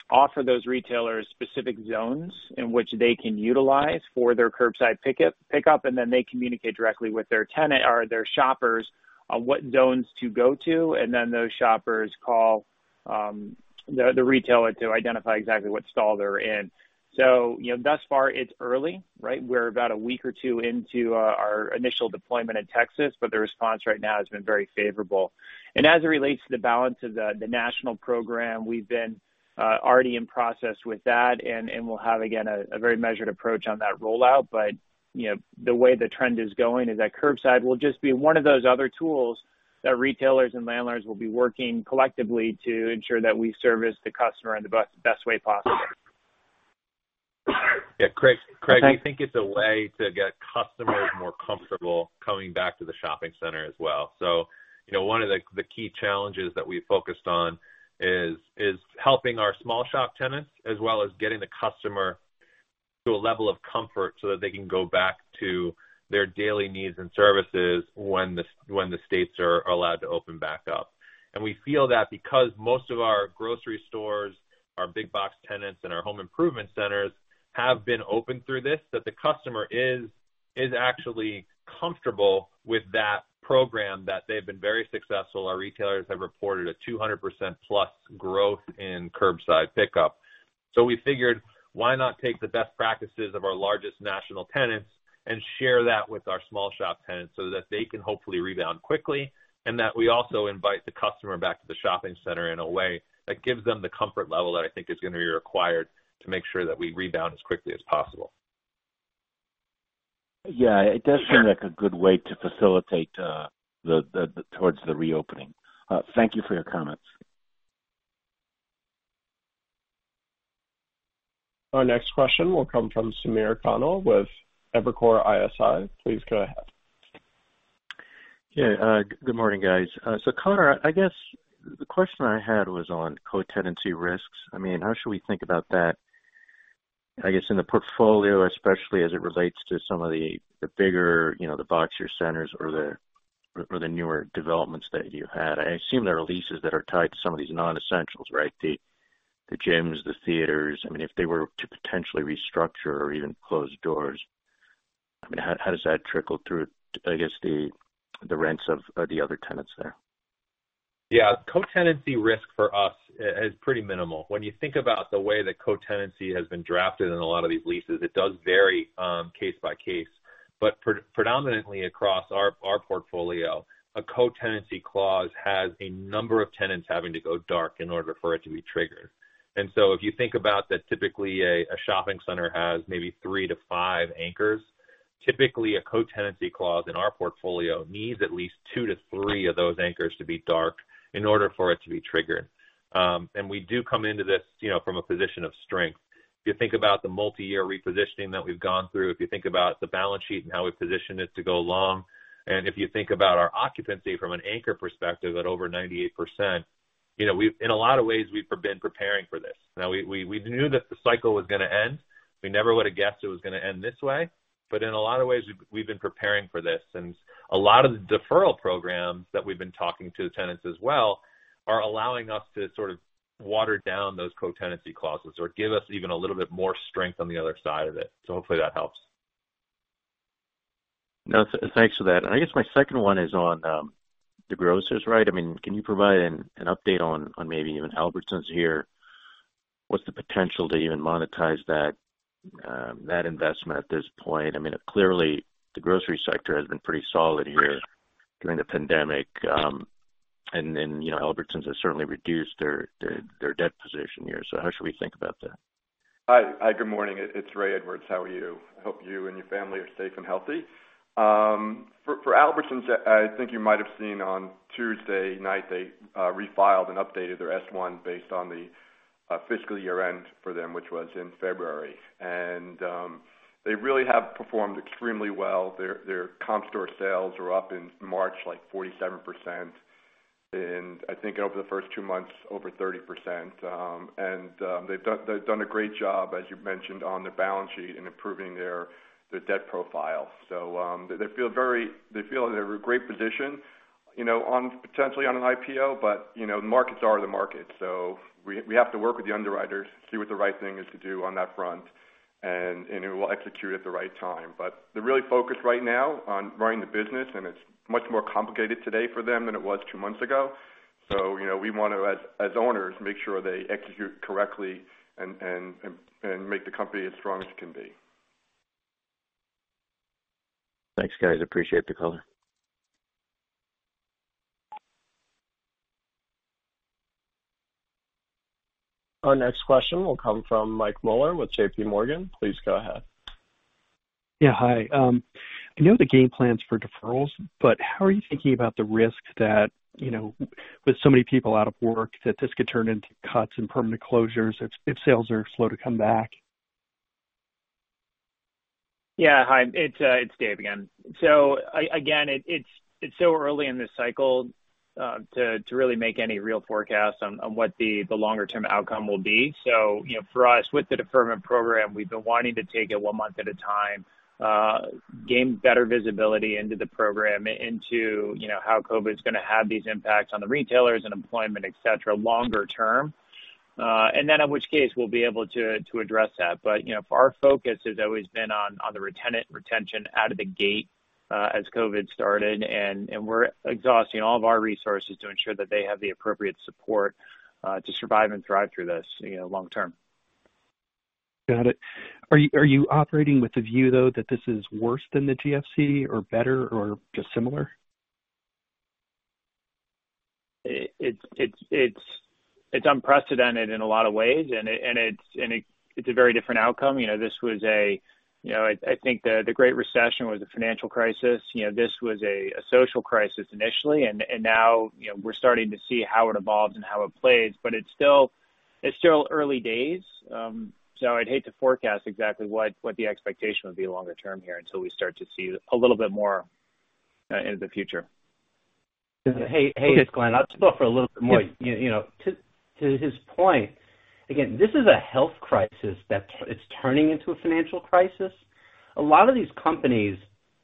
offer those retailers specific zones in which they can utilize for their Curbside Pickup, and then they communicate directly with their tenant or their shoppers on what zones to go to, and then those shoppers call the retailer to identify exactly what stall they're in. Thus far, it's early, right. We're about a week or two into our initial deployment in Texas, but the response right now has been very favorable. As it relates to the balance of the national program, we've been already in process with that, and we'll have, again, a very measured approach on that rollout. The way the trend is going is that Curbside Pickup will just be one of those other tools that retailers and landlords will be working collectively to ensure that we service the customer in the best way possible. Yeah, Craig, we think it's a way to get customers more comfortable coming back to the shopping center as well. One of the key challenges that we focused on is helping our small shop tenants, as well as getting the customer to a level of comfort so that they can go back to their daily needs and services when the states are allowed to open back up. We feel that because most of our grocery stores, our big box tenants, and our home improvement centers have been open through this, that the customer is actually comfortable with that program, that they've been very successful. Our retailers have reported a 200%+ growth in Curbside Pickup. We figured, why not take the best practices of our largest national tenants and share that with our small shop tenants so that they can hopefully rebound quickly, and that we also invite the customer back to the shopping center in a way that gives them the comfort level that I think is going to be required to make sure that we rebound as quickly as possible. Yeah, it does seem like a good way to facilitate towards the reopening. Thank you for your comments. Our next question will come from Samir Khanal with Evercore ISI. Please go ahead. Yeah, good morning, guys. Conor, I guess the question I had was on co-tenancy risks. How should we think about that, I guess, in the portfolio, especially as it relates to some of the bigger, the boxier centers or the newer developments that you had. I assume there are leases that are tied to some of these non-essentials, right? The gyms, the theaters, if they were to potentially restructure or even close doors, how does that trickle through, I guess, the rents of the other tenants there? Yeah. Co-tenancy risk for us is pretty minimal. When you think about the way that co-tenancy has been drafted in a lot of these leases, it does vary case by case. Predominantly across our portfolio, a co-tenancy clause has a number of tenants having to go dark in order for it to be triggered. If you think about that typically a shopping center has maybe three to five anchors. Typically, a co-tenancy clause in our portfolio needs at least two to three of those anchors to be dark in order for it to be triggered. We do come into this from a position of strength. If you think about the multi-year repositioning that we've gone through, if you think about the balance sheet and how we position it to go along, and if you think about our occupancy from an anchor perspective at over 98%, in a lot of ways, we've been preparing for this. We knew that the cycle was going to end. We never would have guessed it was going to end this way. In a lot of ways, we've been preparing for this. A lot of the deferral programs that we've been talking to the tenants as well are allowing us to sort of water down those co-tenancy clauses or give us even a little bit more strength on the other side of it. Hopefully that helps. No, thanks for that. I guess my second one is on the grocers, right? Can you provide an update on maybe even Albertsons here? What's the potential to even monetize that investment at this point? Clearly the grocery sector has been pretty solid here during the pandemic. Albertsons has certainly reduced their debt position here. How should we think about that? Hi, good morning. It's Raymond Edwards. How are you? I hope you and your family are safe and healthy. For Albertsons, I think you might have seen on Tuesday night, they refiled and updated their S1 based on the fiscal year-end for them, which was in February. They really have performed extremely well. Their comp store sales were up in March, like 47%. I think over the first two months, over 30%. They've done a great job, as you mentioned, on their balance sheet in improving their debt profile. They feel they're in a great position potentially on an IPO, but the markets are the markets. We have to work with the underwriters, see what the right thing is to do on that front, and we will execute at the right time. They're really focused right now on running the business, and it's much more complicated today for them than it was two months ago. We want to, as owners, make sure they execute correctly and make the company as strong as it can be. Thanks, guys. Appreciate the color. Our next question will come from Mike Mueller with JPMorgan. Please go ahead. Yeah. Hi. I know the game plan's for deferrals, but how are you thinking about the risk that, with so many people out of work, that this could turn into cuts and permanent closures if sales are slow to come back? Hi, it's Dave again. Again, it's so early in this cycle to really make any real forecasts on what the longer-term outcome will be. For us, with the deferment program, we've been wanting to take it one month at a time, gain better visibility into the program, into how COVID is going to have these impacts on the retailers and employment, et cetera, longer term. Then, in which case, we'll be able to address that. Our focus has always been on the tenant retention out of the gate as COVID started, and we're exhausting all of our resources to ensure that they have the appropriate support to survive and thrive through this long term. Got it. Are you operating with the view, though, that this is worse than the TFC or better or just similar? It's unprecedented in a lot of ways, and it's a very different outcome. I think the great recession was a financial crisis. This was a social crisis initially, and now we're starting to see how it evolves and how it plays, but it's still early days. I'd hate to forecast exactly what the expectation would be longer term here until we start to see a little bit more into the future. Hey, it's Glenn. I'll just offer a little bit more. To his point, again, this is a health crisis that is turning into a financial crisis. A lot of these companies,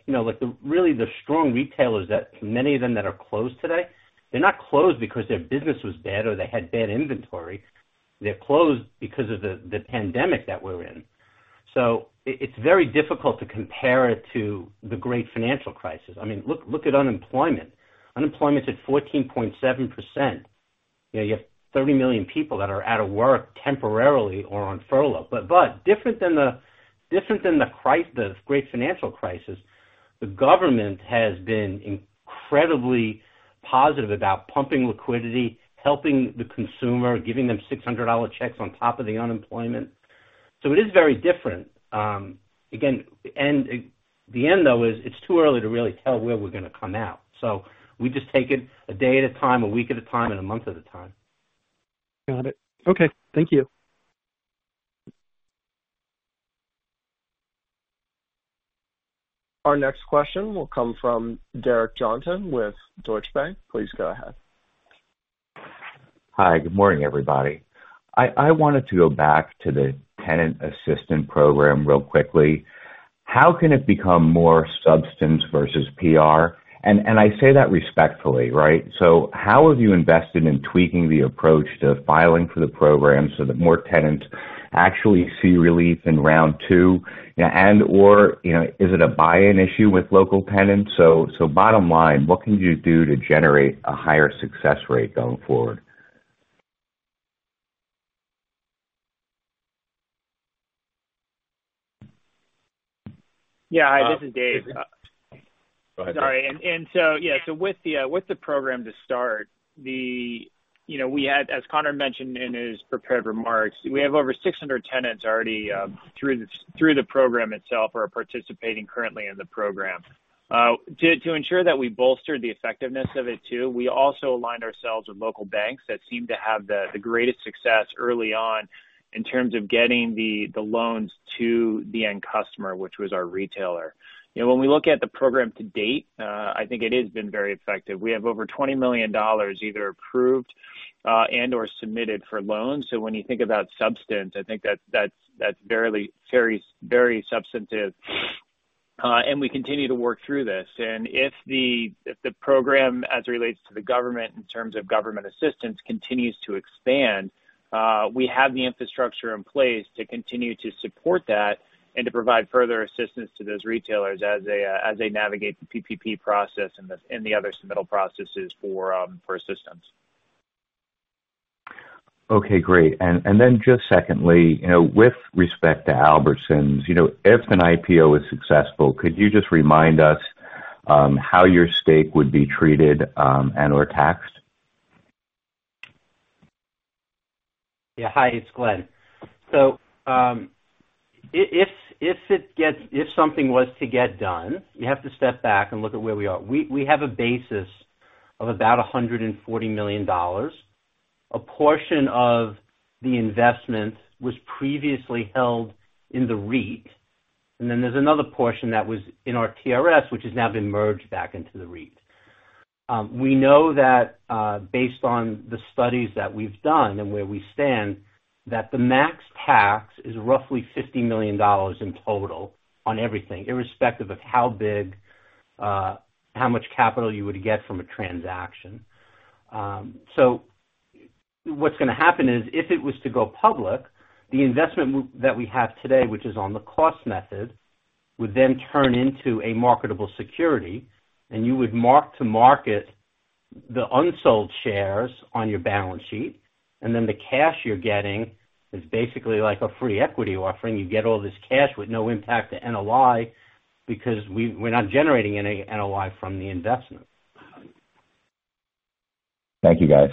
like, really the strong retailers that many of them that are closed today, they're not closed because their business was bad or they had bad inventory. They're closed because of the pandemic that we're in. It's very difficult to compare it to the Great Financial Crisis. I mean, look at unemployment. Unemployment's at 14.7%. You have 30 million people that are out of work temporarily or on furlough. Different than the Great Financial Crisis, the government has been incredibly positive about pumping liquidity, helping the consumer, giving them $600 checks on top of the unemployment. It is very different. The end, though, is it's too early to really tell where we're going to come out. We just take it a day at a time, a week at a time, and a month at a time. Got it. Okay. Thank you. Our next question will come from Derek Johnston with Deutsche Bank. Please go ahead. Hi. Good morning, everybody. I wanted to go back to the Tenant Assistance Program real quickly. How can it become more substance versus PR? I say that respectfully. How have you invested in tweaking the approach to filing for the program so that more tenants actually see relief in round two? Is it a buy-in issue with local tenants? Bottom line, what can you do to generate a higher success rate going forward? Yeah. Hi, this is Dave. Sorry. With the Program to start, as Conor mentioned in his prepared remarks, we have over 600 tenants already through the Program itself, or participating currently in the Program. To ensure that we bolstered the effectiveness of it too, we also aligned ourselves with local banks that seemed to have the greatest success early on in terms of getting the loans to the end customer, which was our retailer. When we look at the Program to date, I think it has been very effective. We have over $20 million either approved and/or submitted for loans. When you think about substance, I think that's very substantive, and we continue to work through this. If the program, as it relates to the government in terms of government assistance, continues to expand, we have the infrastructure in place to continue to support that and to provide further assistance to those retailers as they navigate the PPP process and the other submittal processes for assistance. Okay, great. Then just secondly, with respect to Albertsons, if an IPO is successful, could you just remind us how your stake would be treated and/or taxed? Yeah. Hi, it's Glenn. If something was to get done, you have to step back and look at where we are. We have a basis of about $140 million. A portion of the investment was previously held in the REIT, and then there's another portion that was in our TRS, which has now been merged back into the REIT. We know that based on the studies that we've done and where we stand, that the max tax is roughly $50 million in total on everything, irrespective of how much capital you would get from a transaction. What's going to happen is if it was to go public, the investment that we have today, which is on the cost method, would then turn into a marketable security and you would mark to market the unsold shares on your balance sheet, and then the cash you're getting is basically like a free equity offering. You get all this cash with no impact to NOI because we're not generating any NOI from the investment. Thank you, guys.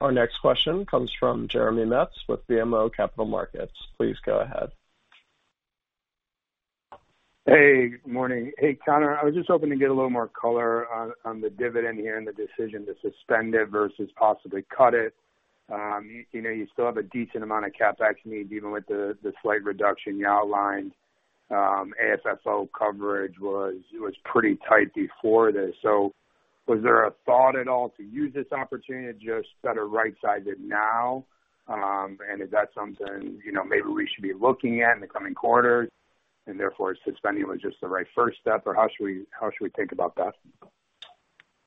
Our next question comes from Jeremy Metz with BMO Capital Markets. Please go ahead. Hey, good morning. Hey, Conor, I was just hoping to get a little more color on the dividend here and the decision to suspend it versus possibly cut it. You still have a decent amount of CapEx needs, even with the slight reduction you outlined. AFFO coverage was pretty tight before this. Was there a thought at all to use this opportunity to just better rightside it now? Is that something maybe we should be looking at in the coming quarters and therefore suspending was just the right first step, or how should we think about that?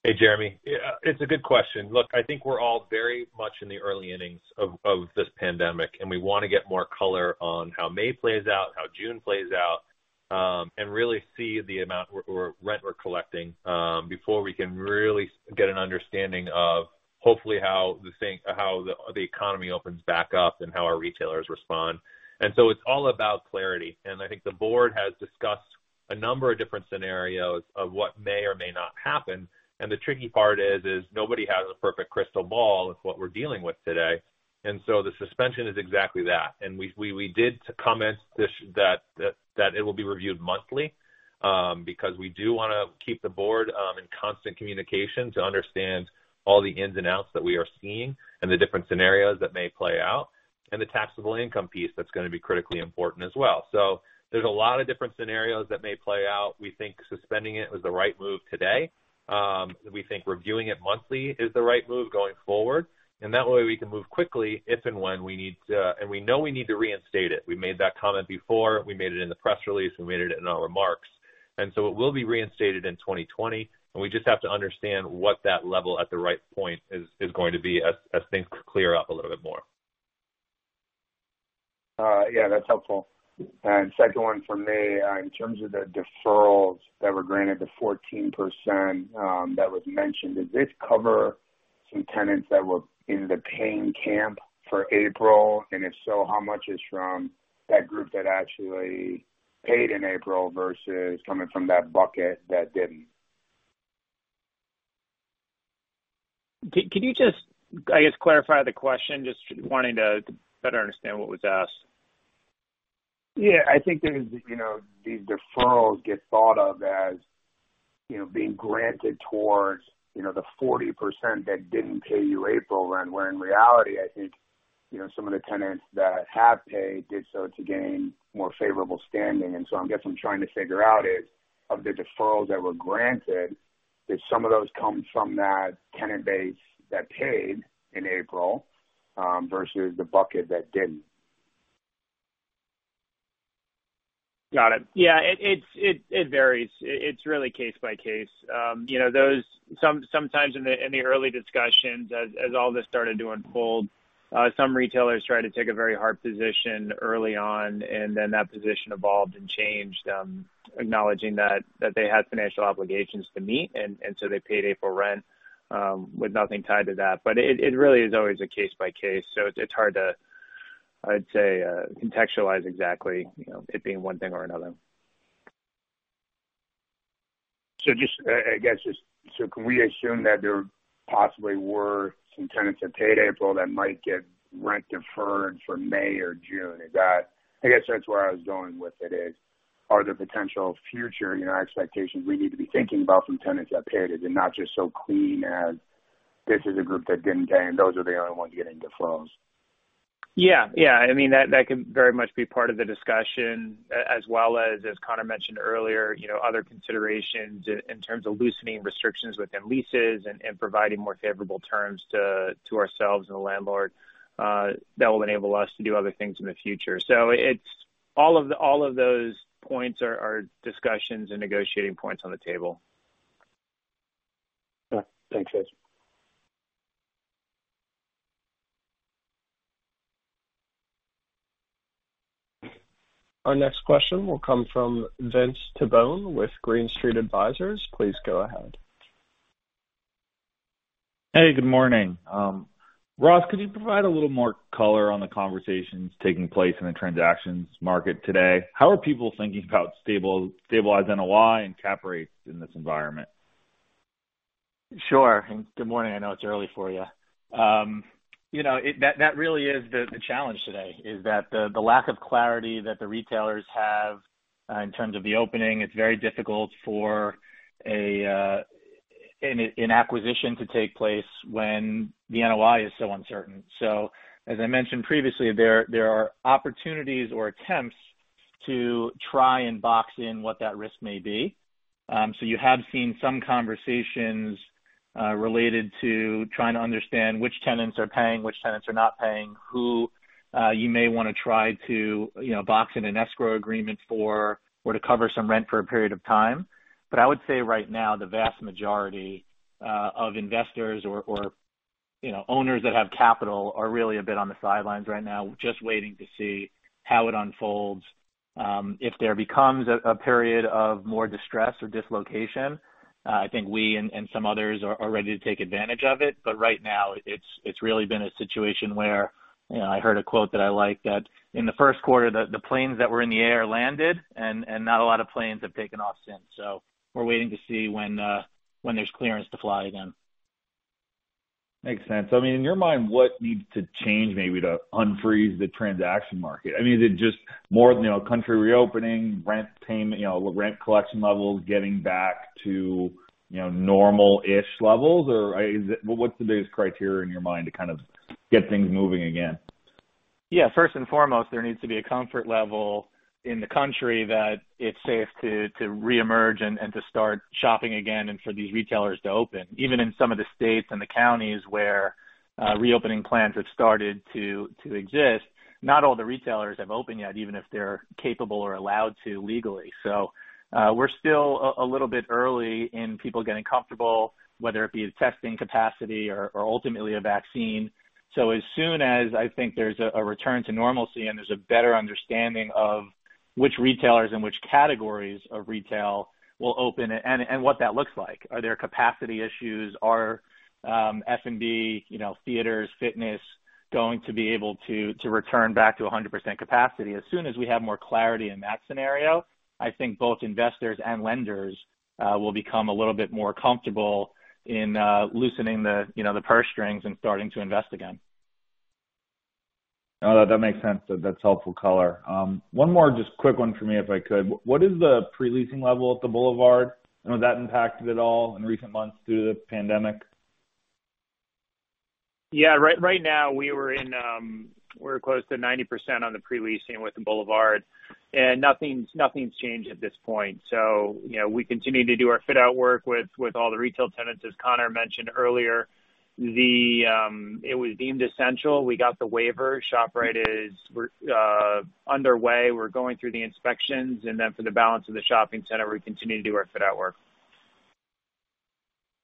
Hey, Jeremy. It's a good question. Look, I think we're all very much in the early innings of this pandemic, and we want to get more color on how May plays out, how June plays out, and really see the amount or rent we're collecting before we can really get an understanding of hopefully how the economy opens back up and how our retailers respond. It's all about clarity. I think the board has discussed a number of different scenarios of what may or may not happen. The tricky part is, nobody has a perfect crystal ball with what we're dealing with today. The suspension is exactly that. We did comment that it will be reviewed monthly because we do want to keep the board in constant communication to understand all the ins and outs that we are seeing and the different scenarios that may play out, and the taxable income piece that's going to be critically important as well. There's a lot of different scenarios that may play out. We think suspending it was the right move today. We think reviewing it monthly is the right move going forward. That way we can move quickly if and when we need to. We know we need to reinstate it. We made that comment before. We made it in the press release. We made it in our remarks. It will be reinstated in 2020. We just have to understand what that level at the right point is going to be as things clear up a little bit more. Yeah, that's helpful. Second one from me, in terms of the deferrals that were granted, the 14% that was mentioned, does this cover some tenants that were in the paying camp for April? If so, how much is from that group that actually paid in April versus coming from that bucket that didn't? Can you just, I guess, clarify the question? Just wanting to better understand what was asked. Yeah. I think these deferrals get thought of as being granted towards the 40% that didn't pay you April rent, where in reality, I think some of the tenants that have paid did so to gain more favorable standing. I guess I'm trying to figure out is, of the deferrals that were granted, did some of those come from that tenant base that paid in April versus the bucket that didn't? Got it. Yeah, it varies. It's really case by case. Sometimes in the early discussions, as all this started to unfold, some retailers tried to take a very hard position early on. That position evolved and changed, acknowledging that they had financial obligations to meet. They paid April rent with nothing tied to that. It really is always a case by case. It's hard to, I'd say, contextualize exactly it being one thing or another. Can we assume that there possibly were some tenants that paid April that might get rent deferred for May or June? I guess that's where I was going with it is, are there potential future expectations we need to be thinking about from tenants that paid? Is it not just so clean as this is a group that didn't pay, and those are the only ones getting deferrals? Yeah. That could very much be part of the discussion as well as Conor mentioned earlier, other considerations in terms of loosening restrictions within leases and providing more favorable terms to ourselves and the landlord that will enable us to do other things in the future. All of those points are discussions and negotiating points on the table. Thanks, guys. Our next question will come from Vince Tibone with Green Street Advisors. Please go ahead. Hey, good morning. Ross, could you provide a little more color on the conversations taking place in the transactions market today? How are people thinking about stabilized NOI and cap rates in this environment? Sure. Good morning, I know it's early for you. That really is the challenge today, is that the lack of clarity that the retailers have in terms of the opening, it's very difficult for an acquisition to take place when the NOI is so uncertain. As I mentioned previously, there are opportunities or attempts to try and box in what that risk may be. You have seen some conversations related to trying to understand which tenants are paying, which tenants are not paying, who you may want to try to box in an escrow agreement for, or to cover some rent for a period of time. I would say right now, the vast majority of investors or owners that have capital are really a bit on the sidelines right now, just waiting to see how it unfolds. If there becomes a period of more distress or dislocation, I think we and some others are ready to take advantage of it. Right now, it's really been a situation where, I heard a quote that I like, that in the first quarter, the planes that were in the air landed, and not a lot of planes have taken off since. We're waiting to see when there's clearance to fly again. Makes sense. In your mind, what needs to change maybe to unfreeze the transaction market? Is it just more country reopening, rent payment, rent collection levels getting back to normal-ish levels? What's the biggest criteria in your mind to kind of get things moving again? First and foremost, there needs to be a comfort level in the country that it's safe to reemerge and to start shopping again, and for these retailers to open. Even in some of the states and the counties where reopening plans have started to exist, not all the retailers have opened yet, even if they're capable or allowed to legally. We're still a little bit early in people getting comfortable, whether it be the testing capacity or ultimately a vaccine. As soon as I think there's a return to normalcy and there's a better understanding of which retailers and which categories of retail will open and what that looks like. Are there capacity issues? Are FNB, theaters, fitness going to be able to return back to 100% capacity? As soon as we have more clarity in that scenario, I think both investors and lenders will become a little bit more comfortable in loosening the purse strings and starting to invest again. No, that makes sense. That's helpful color. One more just quick one for me, if I could. What is the pre-leasing level at the Boulevard? Has that impacted at all in recent months due to the pandemic? Right now, we're close to 90% on the pre-leasing with The Boulevard, and nothing's changed at this point. We continue to do our fit-out work with all the retail tenants, as Conor mentioned earlier. It was deemed essential. We got the waiver. ShopRite is underway. We're going through the inspections, and then for the balance of the shopping center, we continue to do our fit-out work.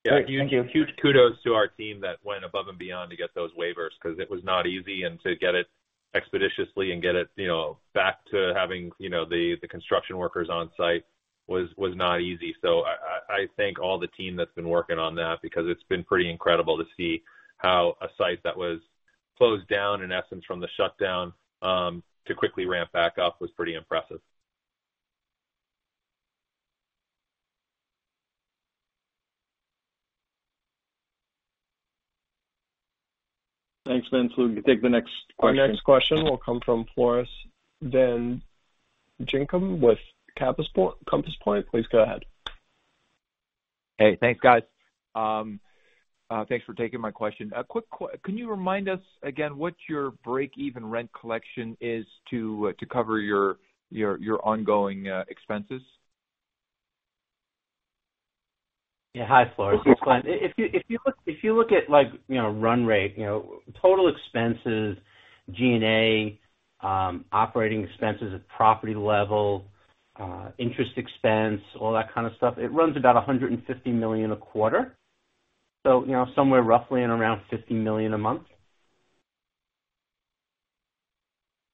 Thank you. Yeah. Huge kudos to our team that went above and beyond to get those waivers, because it was not easy, and to get it expeditiously and get it back to having the construction workers on site was not easy. I thank all the team that's been working on that because it's been pretty incredible to see how a site that was closed down, in essence, from the shutdown, to quickly ramp back up was pretty impressive. Thanks, Vince. We can take the next question. Our next question will come from Floris van Dijkum with Compass Point. Please go ahead. Hey, thanks, guys. Thanks for taking my question. Can you remind us again what your break-even rent collection is to cover your ongoing expenses? Yeah. Hi, Floris. It's Glenn. If you look at run rate, total expenses, G&A, operating expenses at property level, interest expense, all that kind of stuff, it runs about $150 million a quarter. Somewhere roughly in around $50 million a month.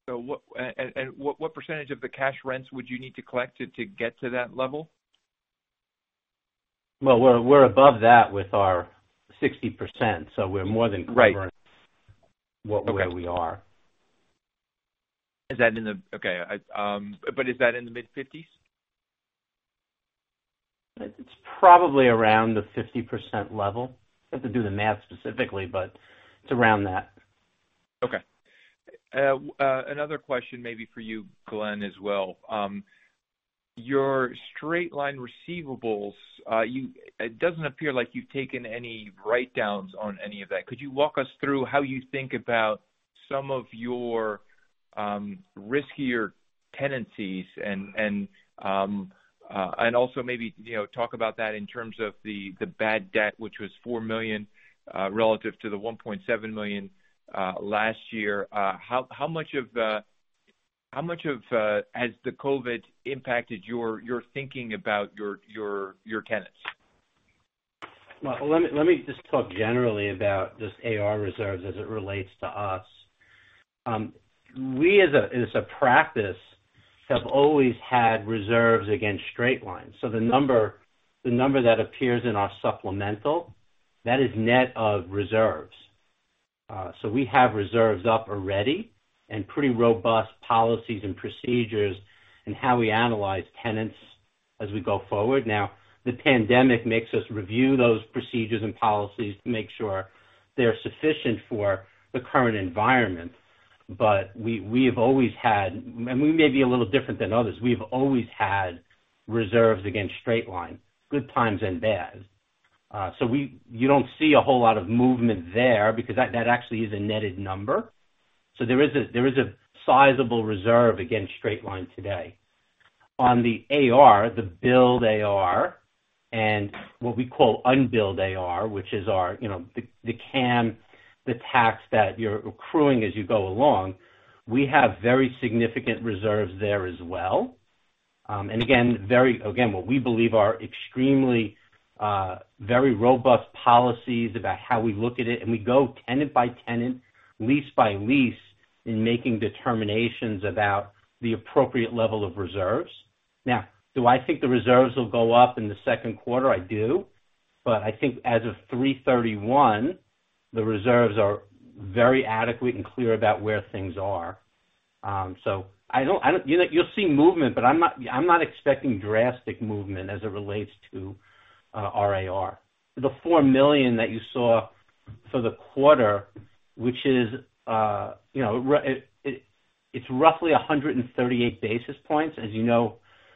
What percentage of the cash rents would you need to collect to get to that level? Well, we're above that with our 60%, so we're more than where we are. Okay. Is that in the mid-50s? It's probably around the 50% level. I'd have to do the math specifically, but it's around that. Okay. Another question maybe for you, Glenn, as well. Your straight-line receivables, it doesn't appear like you've taken any write-downs on any of that. Could you walk us through how you think about some of your riskier tenancies and also maybe talk about that in terms of the bad debt, which was $4 million, relative to the $1.7 million last year? How much has the COVID-19 impacted your thinking about your tenants? Well, let me just talk generally about just AR reserves as it relates to us. We as a practice have always had reserves against straight line. The number that appears in our supplemental, that is net of reserves. We have reserves up already and pretty robust policies and procedures in how we analyze tenants as we go forward. Now, the pandemic makes us review those procedures and policies to make sure they're sufficient for the current environment. We have always had, and we may be a little different than others, we've always had reserves against straight line, good times and bad. You don't see a whole lot of movement there because that actually is a netted number. There is a sizable reserve against straight line today. On the AR, the billed AR, and what we call unbilled AR, which is the [CAM], the tax that you're accruing as you go along, we have very significant reserves there as well. Again, what we believe are extremely, very robust policies about how we look at it, and we go tenant by tenant, lease by lease in making determinations about the appropriate level of reserves. Do I think the reserves will go up in the second quarter? I do. I think as of March 31, 2019, the reserves are very adequate and clear about where things are. You'll see movement, but I'm not expecting drastic movement as it relates to our AR. The $4 million that you saw for the quarter, which is roughly 138 basis points. As you know,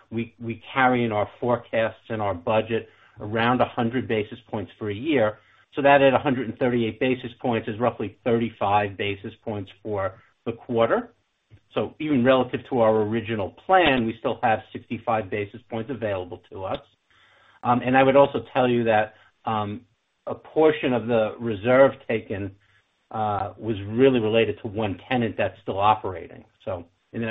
we carry in our forecasts and our budget around 100 basis points for a year. That at 138 basis points is roughly 35 basis points for the quarter. Even relative to our original plan, we still have 65 basis points available to us. I would also tell you that a portion of the reserve taken was really related to one tenant that's still operating. It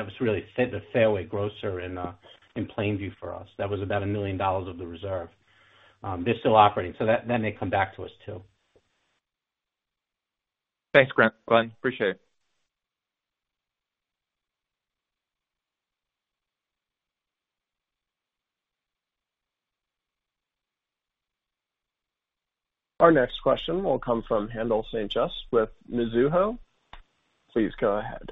was really the Fairway Market in Plainview for us. That was about $1 million of the reserve. They're still operating, so that may come back to us, too. Thanks, Glenn. Appreciate it. Our next question will come from Haendel St. Juste with Mizuho. Please go ahead.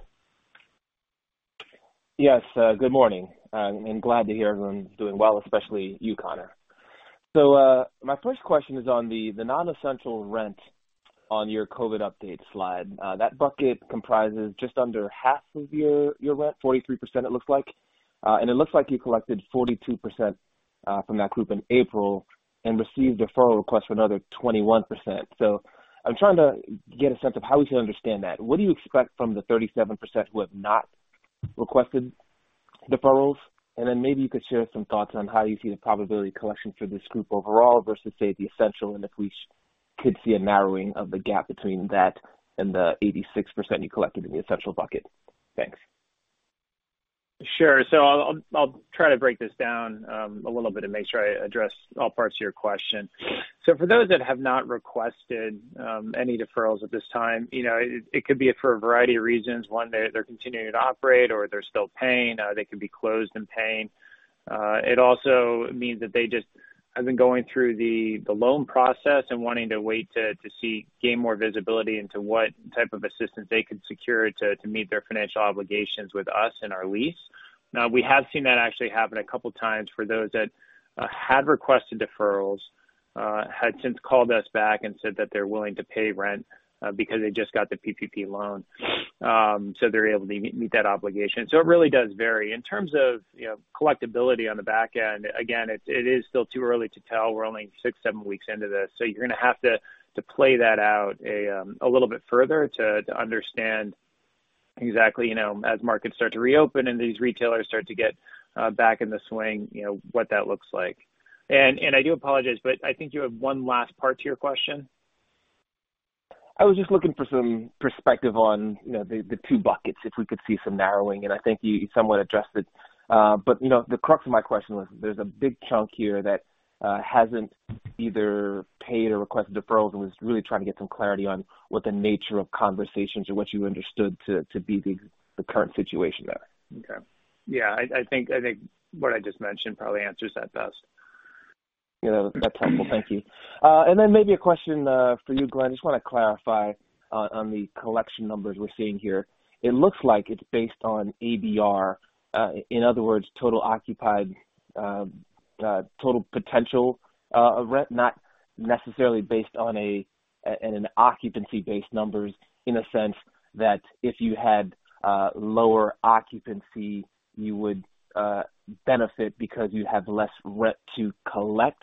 Yes. Good morning. I'm glad to hear everyone's doing well, especially you, Conor. My first question is on the non-essential rent on your COVID-19 update slide. That bucket comprises just under half of your rent, 43% it looks like. It looks like you collected 42% from that group in April and received a deferral request for another 21%. I'm trying to get a sense of how we should understand that. What do you expect from the 37% who have not requested deferrals? Then maybe you could share some thoughts on how you see the probability collection for this group overall versus, say, the essential, and if we could see a narrowing of the gap between that and the 86% you collected in the essential bucket. Thanks. Sure. I'll try to break this down a little bit and make sure I address all parts of your question. For those that have not requested any deferrals at this time, it could be for a variety of reasons. One, they're continuing to operate, or they're still paying. They could be closed and paying. It also means that they just have been going through the loan process and wanting to wait to gain more visibility into what type of assistance they could secure to meet their financial obligations with us and our lease. Now, we have seen that actually happen a couple of times for those that had requested deferrals, had since called us back and said that they're willing to pay rent because they just got the PPP loan, so they're able to meet that obligation. It really does vary. In terms of collectibility on the back end, again, it is still too early to tell. We're only six, seven weeks into this. You're going to have to play that out a little bit further to understand exactly, as markets start to reopen and these retailers start to get back in the swing, what that looks like. I do apologize, but I think you have one last part to your question. I was just looking for some perspective on the two buckets, if we could see some narrowing, and I think you somewhat addressed it. The crux of my question was there's a big chunk here that hasn't either paid or requested deferrals, and was really trying to get some clarity on what the nature of conversations or what you understood to be the current situation there. Okay. Yeah, I think what I just mentioned probably answers that best. Yeah. That's helpful. Thank you. Maybe a question for you, Glenn. I just want to clarify on the collection numbers we're seeing here. It looks like it's based on ABR, in other words, total occupied, total potential of rent, not necessarily based on an occupancy-based numbers in a sense that if you had lower occupancy, you would benefit because you have less rent to collect.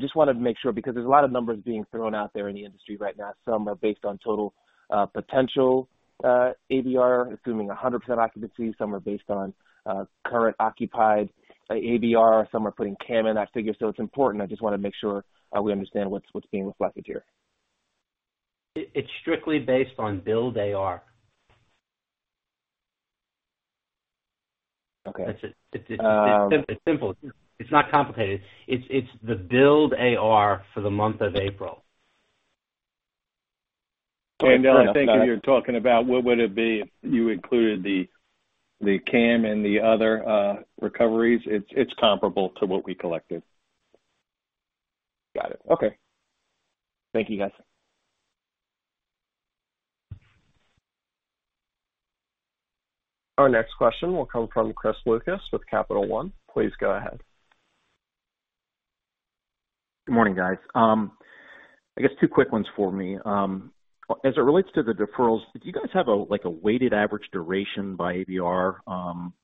Just wanted to make sure because there's a lot of numbers being thrown out there in the industry right now. Some are based on total potential ABR, assuming 100% occupancy. Some are based on current occupied ABR. Some are putting CAM in that figure. It's important. I just want to make sure we understand what's being reflected here. It's strictly based on billed AR. Okay. It's simple. It's not complicated. It's the billed AR for the month of April. Okay. Haendel, I think if you're talking about what would it be if you included the CAM and the other recoveries, it's comparable to what we collected. Got it. Okay. Thank you, guys. Our next question will come from Chris Lucas with Capital One. Please go ahead. Good morning, guys. I guess two quick ones for me. As it relates to the deferrals, did you guys have a weighted average duration by ABR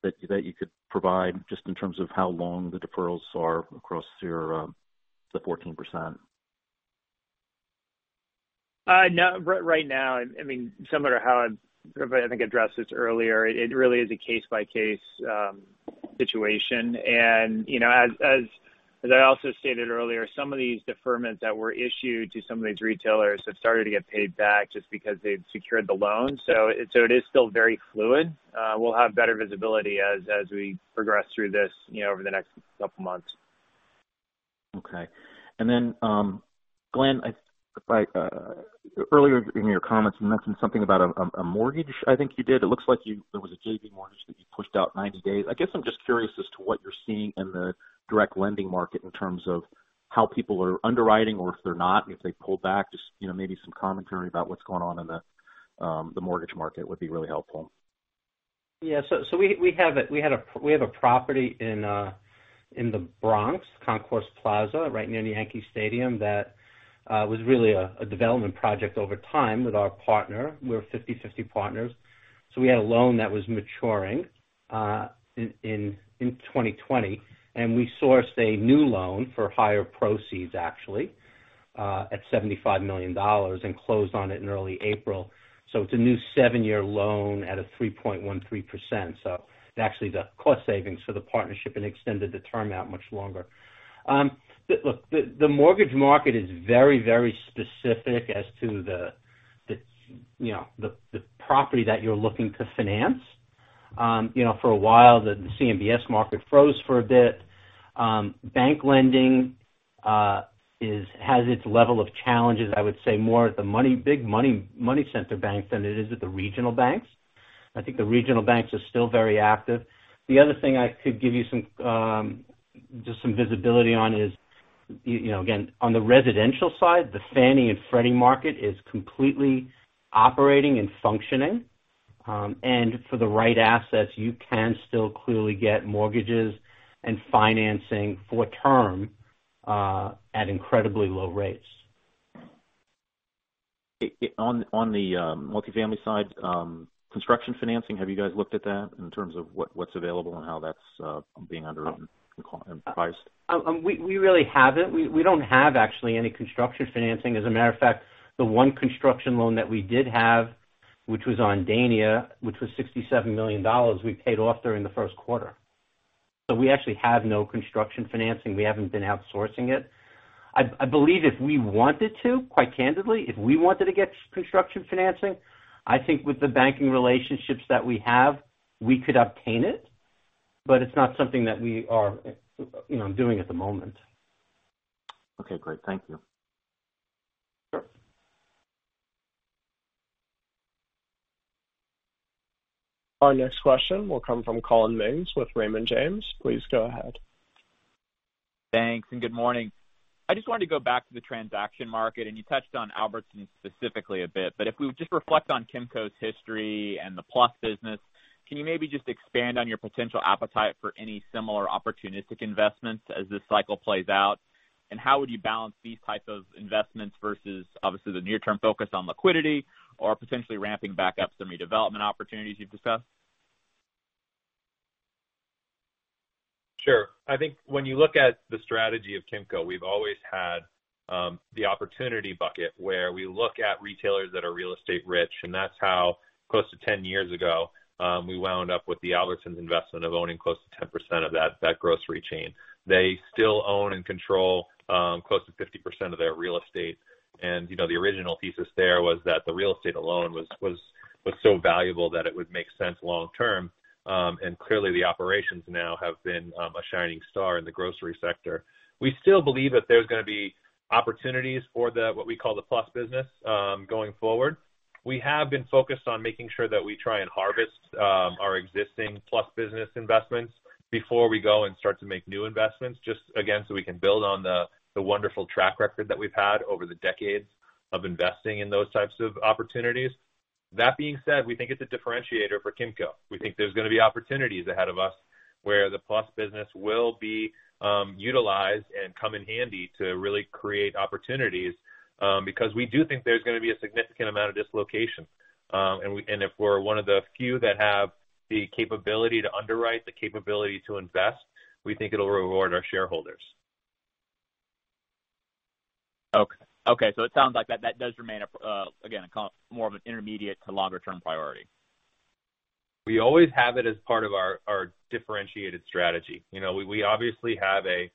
that you could provide just in terms of how long the deferrals are across your 14%? Right now, similar to how I think I addressed this earlier, it really is a case-by-case situation. As I also stated earlier, some of these deferments that were issued to some of these retailers have started to get paid back just because they've secured the loan. It is still very fluid. We'll have better visibility as we progress through this over the next couple of months. Okay. Glenn, earlier in your comments, you mentioned something about a mortgage. I think you did. It looks like there was a JV mortgage that you pushed out 90 days. I guess I'm just curious as to what you're seeing in the direct lending market in terms of how people are underwriting or if they're not, and if they pulled back, just maybe some commentary about what's going on in the mortgage market would be really helpful. Yeah. We have a property in the Bronx, Concourse Plaza, right near the Yankee Stadium, that was really a development project over time with our partner. We're 50/50 partners. We had a loan that was maturing in 2020, and we sourced a new loan for higher proceeds actually, at $75 million and closed on it in early April. It's a new seven-year loan at a 3.13%. It's actually the cost savings for the partnership and extended the term out much longer. Look, the mortgage market is very, very specific as to the property that you're looking to finance. For a while, the CMBS market froze for a bit. Bank lending has its level of challenges, I would say more at the big money center banks than it is at the regional banks. I think the regional banks are still very active. The other thing I could give you just some visibility on is, again, on the residential side, the Fannie and Freddie market is completely operating and functioning. For the right assets, you can still clearly get mortgages and financing for term at incredibly low rates. On the multifamily side, construction financing, have you guys looked at that in terms of what's available and how that's being underwritten and priced? We really haven't. We don't have actually any construction financing. As a matter of fact, the one construction loan that we did have, which was on Dania, which was $67 million, we paid off during the first quarter. We actually have no construction financing. We haven't been outsourcing it. I believe if we wanted to, quite candidly, if we wanted to get construction financing, I think with the banking relationships that we have, we could obtain it, but it's not something that we are doing at the moment. Okay, great. Thank you. Sure. Our next question will come from Collin Mings with Raymond James. Please go ahead. Thanks, good morning. I just wanted to go back to the transaction market, and you touched on Albertsons specifically a bit. If we would just reflect on Kimco's history and the plus business, can you maybe just expand on your potential appetite for any similar opportunistic investments as this cycle plays out? How would you balance these types of investments versus obviously the near-term focus on liquidity or potentially ramping back up some redevelopment opportunities you've discussed? Sure. I think when you look at the strategy of Kimco, we've always had the opportunity bucket where we look at retailers that are real estate-rich. That's how close to 10 years ago, we wound up with the Albertsons investment of owning close to 10% of that grocery chain. They still own and control close to 50% of their real estate. The original thesis there was that the real estate alone was so valuable that it would make sense long term. Clearly the operations now have been a shining star in the grocery sector. We still believe that there's going to be opportunities for what we call the plus business going forward. We have been focused on making sure that we try and harvest our existing plus business investments before we go and start to make new investments, just again, so we can build on the wonderful track record that we've had over the decades of investing in those types of opportunities. That being said, we think it's a differentiator for Kimco. We think there's going to be opportunities ahead of us where the plus business will be utilized and come in handy to really create opportunities because we do think there's going to be a significant amount of dislocation. If we're one of the few that have the capability to underwrite, the capability to invest, we think it'll reward our shareholders. Okay. It sounds like that does remain, again, more of an intermediate to longer-term priority. We always have it as part of our differentiated strategy. We obviously have a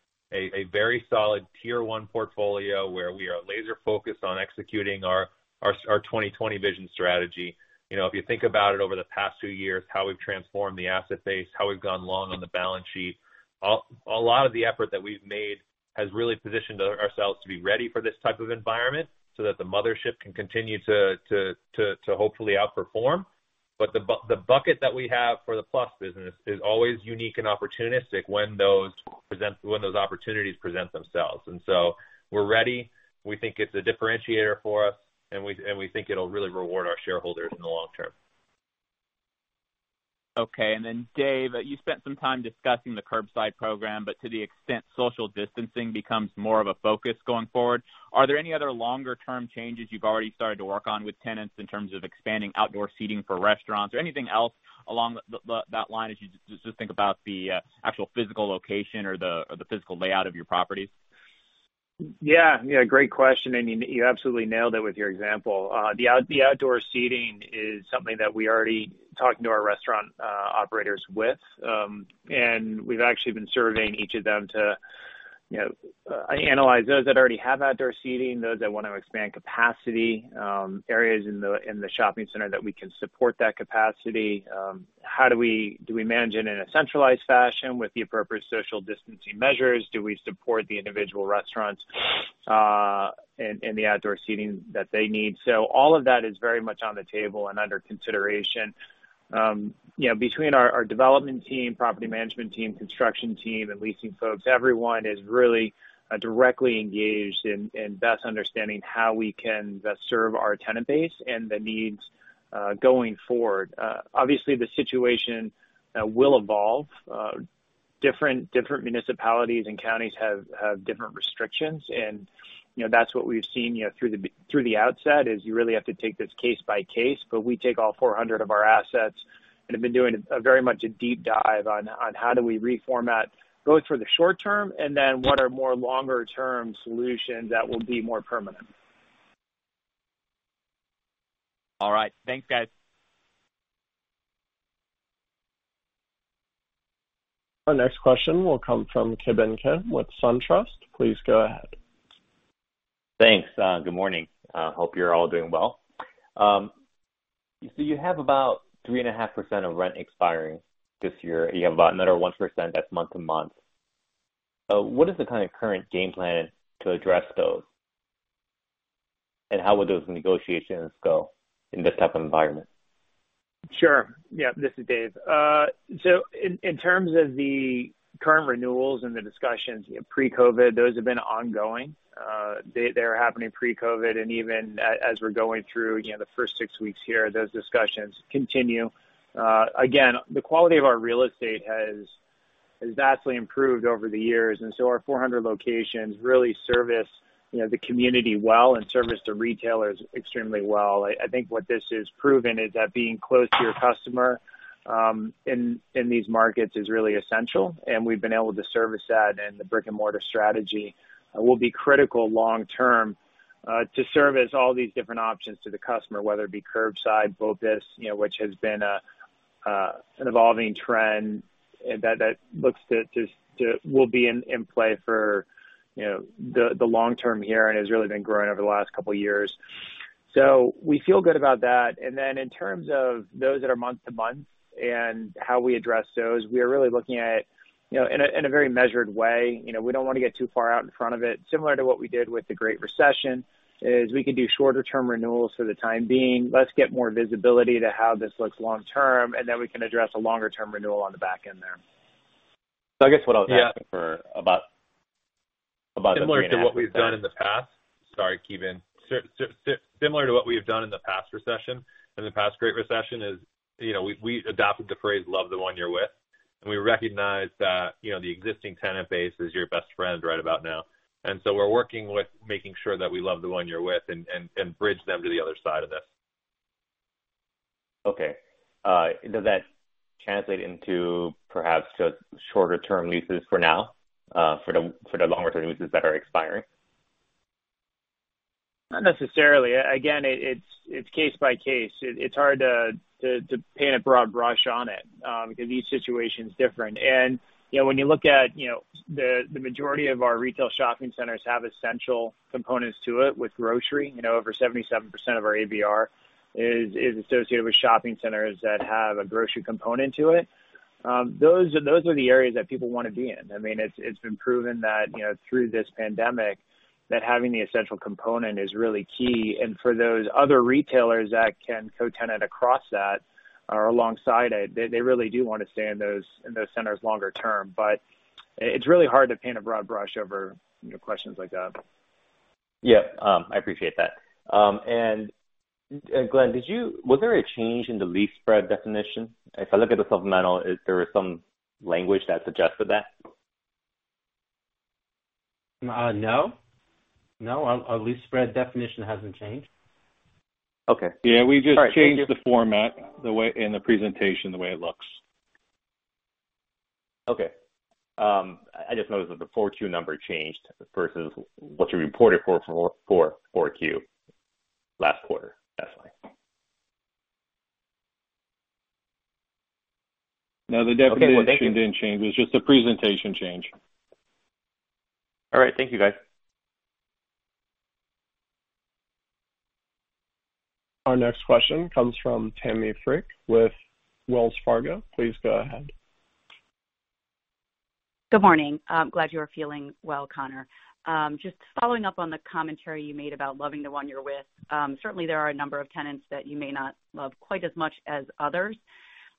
very solid Tier 1 portfolio where we are laser focused on executing our 2020 Vision strategy. If you think about it, over the past few years, how we've transformed the asset base, how we've gone long on the balance sheet, a lot of the effort that we've made has really positioned ourselves to be ready for this type of environment so that the mothership can continue to hopefully outperform. The bucket that we have for the plus business is always unique and opportunistic when those opportunities present themselves. We're ready. We think it's a differentiator for us, and we think it'll really reward our shareholders in the long term. Dave, you spent some time discussing the Curbside Pickup program, but to the extent social distancing becomes more of a focus going forward, are there any other longer-term changes you've already started to work on with tenants in terms of expanding outdoor seating for restaurants or anything else along that line as you just think about the actual physical location or the physical layout of your properties? Yeah. Great question, and you absolutely nailed it with your example. The outdoor seating is something that we already talked to our restaurant operators with. We've actually been surveying each of them to analyze those that already have outdoor seating, those that want to expand capacity, areas in the shopping center that we can support that capacity. Do we manage it in a centralized fashion with the appropriate social distancing measures? Do we support the individual restaurants in the outdoor seating that they need? All of that is very much on the table and under consideration. Between our development team, property management team, construction team, and leasing folks, everyone is really directly engaged in best understanding how we can best serve our tenant base and the needs going forward. Obviously, the situation will evolve. Different municipalities and counties have different restrictions. That's what we've seen through the outset, is you really have to take this case by case. We take all 400 of our assets and have been doing a very much a deep dive on how do we reformat, both for the short term, and then what are more longer-term solutions that will be more permanent. All right. Thanks, guys. Our next question will come from Ki Bin Kim with SunTrust. Please go ahead. Thanks. Good morning. Hope you're all doing well. You have about 3.5% of rent expiring this year. You have about another 1% that's month-to-month. What is the kind of current game plan to address those, and how would those negotiations go in this type of environment? Sure. Yeah, this is Dave. In terms of the current renewals and the discussions pre-COVID-19, those have been ongoing. They were happening pre-COVID-19, and even as we're going through the first six weeks here, those discussions continue. Again, the quality of our real estate has vastly improved over the years, and so our 400 locations really service the community well and service the retailers extremely well. I think what this has proven is that being close to your customer in these markets is really essential, and we've been able to service that, and the brick-and-mortar strategy will be critical long term to service all these different options to the customer, whether it be curbside, BOPUS, which has been an evolving trend that will be in play for the long term here and has really been growing over the last couple of years. We feel good about that. In terms of those that are month to month and how we address those, we are really looking at in a very measured way. We don't want to get too far out in front of it. Similar to what we did with the Great Recession is we can do shorter-term renewals for the time being. Let's get more visibility to how this looks long term, and then we can address a longer-term renewal on the back end there. I guess what I was asking for about the 3.5%. Similar to what we've done in the past. Sorry, Ki Bin. Similar to what we have done in the past recession, in the past Great Recession is, we adopted the phrase, love the one you're with. We recognize that the existing tenant base is your best friend right about now. We're working with making sure that we love the one you're with and bridge them to the other side of this. Does that translate into perhaps just shorter term leases for now for the longer term leases that are expiring? Not necessarily. It's case by case. It's hard to paint a broad brush on it because each situation's different. When you look at the majority of our retail shopping centers have essential components to it with grocery. Over 77% of our ABR is associated with shopping centers that have a grocery component to it. Those are the areas that people want to be in. It's been proven that through this pandemic, that having the essential component is really key. For those other retailers that can co-tenant across that or alongside it, they really do want to stay in those centers longer term. It's really hard to paint a broad brush over questions like that. Yeah. I appreciate that. Glenn, was there a change in the lease spread definition? If I look at the supplemental, there is some language that suggested that. No. Our lease spread definition hasn't changed. Okay. Yeah, we just changed the format and the presentation, the way it looks. Okay. I just noticed that the 4Q number changed versus what you reported for 4Q last quarter. That's fine. No, the debt position didn't change. It was just a presentation change. All right. Thank you, guys. Our next question comes from Tammi Fique with Wells Fargo. Please go ahead. Good morning. I'm glad you are feeling well, Conor. Just following up on the commentary you made about loving the one you're with. Certainly, there are a number of tenants that you may not love quite as much as others.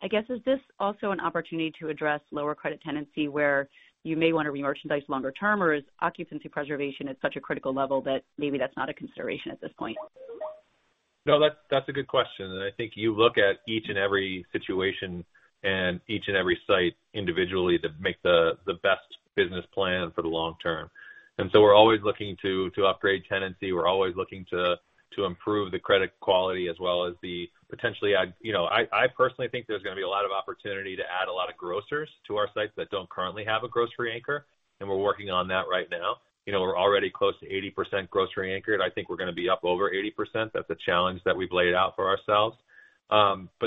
I guess, is this also an opportunity to address lower credit tenancy where you may want to re-merchandise longer term? Or is occupancy preservation at such a critical level that maybe that's not a consideration at this point? No, that's a good question, and I think you look at each and every situation and each and every site individually to make the best business plan for the long term. We're always looking to upgrade tenancy. We're always looking to improve the credit quality as well as the potentially I personally think there's going to be a lot of opportunity to add a lot of grocers to our sites that don't currently have a grocery anchor, and we're working on that right now. We're already close to 80% grocery anchored. I think we're going to be up over 80%. That's a challenge that we've laid out for ourselves.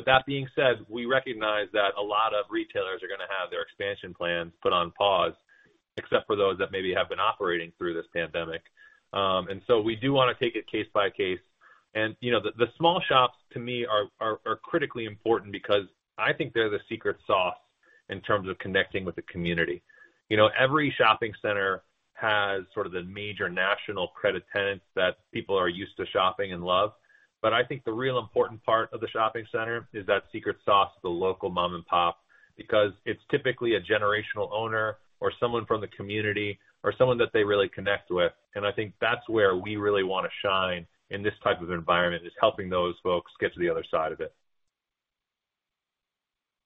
That being said, we recognize that a lot of retailers are going to have their expansion plans put on pause, except for those that maybe have been operating through this pandemic. We do want to take it case by case. The small shops to me are critically important because I think they're the secret sauce in terms of connecting with the community. Every shopping center has sort of the major national credit tenants that people are used to shopping and love. I think the real important part of the shopping center is that secret sauce, the local mom and pop, because it's typically a generational owner or someone from the community or someone that they really connect with. I think that's where we really want to shine in this type of environment, is helping those folks get to the other side of it.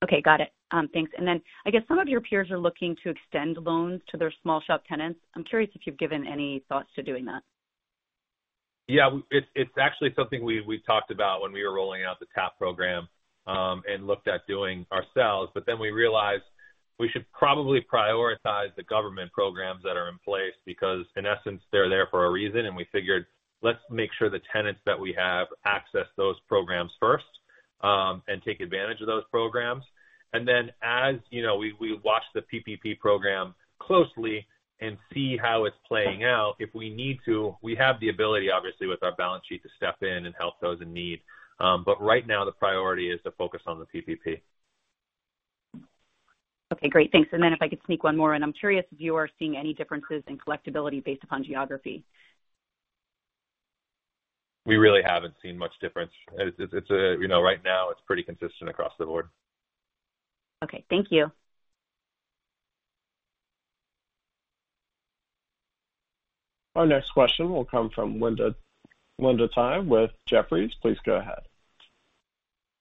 Okay, got it. Thanks. I guess some of your peers are looking to extend loans to their small shop tenants. I'm curious if you've given any thoughts to doing that. Yeah, it's actually something we talked about when we were rolling out the TAP program and looked at doing ourselves. Then we realized we should probably prioritize the government programs that are in place because in essence, they're there for a reason. We figured, let's make sure the tenants that we have access those programs first and take advantage of those programs. Then as we watch the PPP program closely and see how it's playing out, if we need to, we have the ability, obviously, with our balance sheet, to step in and help those in need. Right now, the priority is to focus on the PPP. Okay, great. Thanks. If I could sneak one more in. I'm curious if you are seeing any differences in collectibility based upon geography. We really haven't seen much difference. Right now, it's pretty consistent across the board. Okay. Thank you. Our next question will come from Linda Tsai with Jefferies. Please go ahead.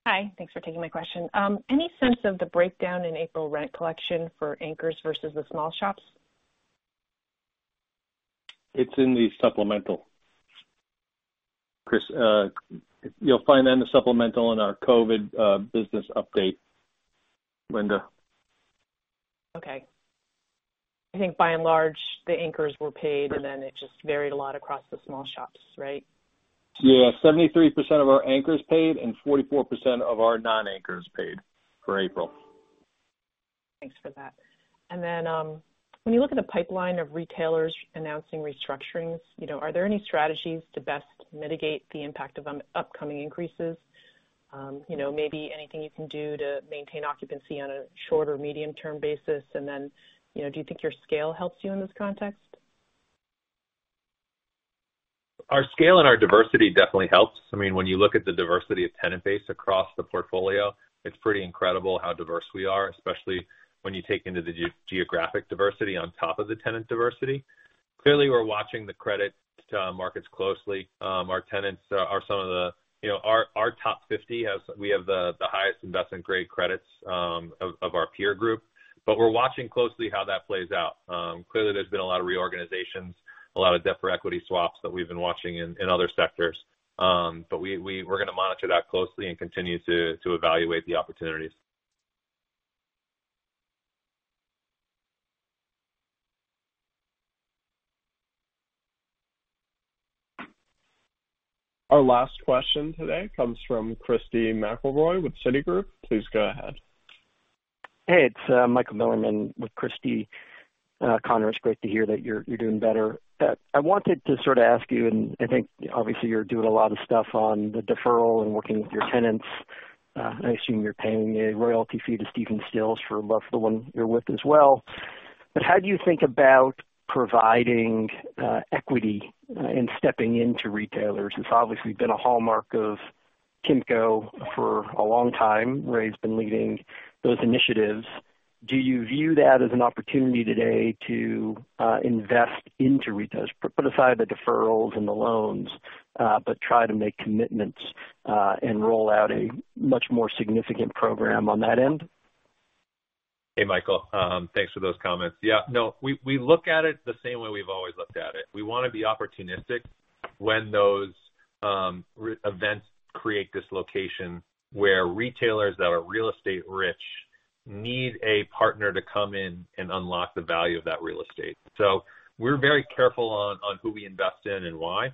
Hi. Thanks for taking my question. Any sense of the breakdown in April rent collection for anchors versus the small shops? It's in the supplemental. You'll find that in the supplemental in our COVID business update, Linda. Okay. I think by and large, the anchors were paid, and then it just varied a lot across the small shops, right? Yeah. 73% of our anchors paid and 44% of our non-anchors paid for April. Thanks for that. When you look at the pipeline of retailers announcing restructurings, are there any strategies to best mitigate the impact of upcoming increases? Maybe anything you can do to maintain occupancy on a short- or medium-term basis? Do you think your scale helps you in this context? Our scale and our diversity definitely helps. When you look at the diversity of tenant base across the portfolio, it's pretty incredible how diverse we are, especially when you take into the geographic diversity on top of the tenant diversity. We're watching the credit markets closely. Our top 50, we have the highest investment-grade credits of our peer group, we're watching closely how that plays out. There's been a lot of reorganizations, a lot of debt for equity swaps that we've been watching in other sectors. We're going to monitor that closely and continue to evaluate the opportunities. Our last question today comes from Christy McElroy with Citigroup. Please go ahead. Hey, it's Michael Bilerman with Christy. Conor, it's great to hear that you're doing better. I wanted to sort of ask you, and I think obviously you're doing a lot of stuff on the deferral and working with your tenants. I assume you're paying a royalty fee to Stephen Stills for love for the one you're with as well. How do you think about providing equity and stepping into retailers? It's obviously been a hallmark of Kimco for a long time. Ray's been leading those initiatives. Do you view that as an opportunity today to invest into retailers? Put aside the deferrals and the loans but try to make commitments and roll out a much more significant program on that end. Hey, Michael. Thanks for those comments. Yeah, no, we look at it the same way we've always looked at it. We want to be opportunistic when those events create dislocation where retailers that are real estate rich need a partner to come in and unlock the value of that real estate. We're very careful on who we invest in and why.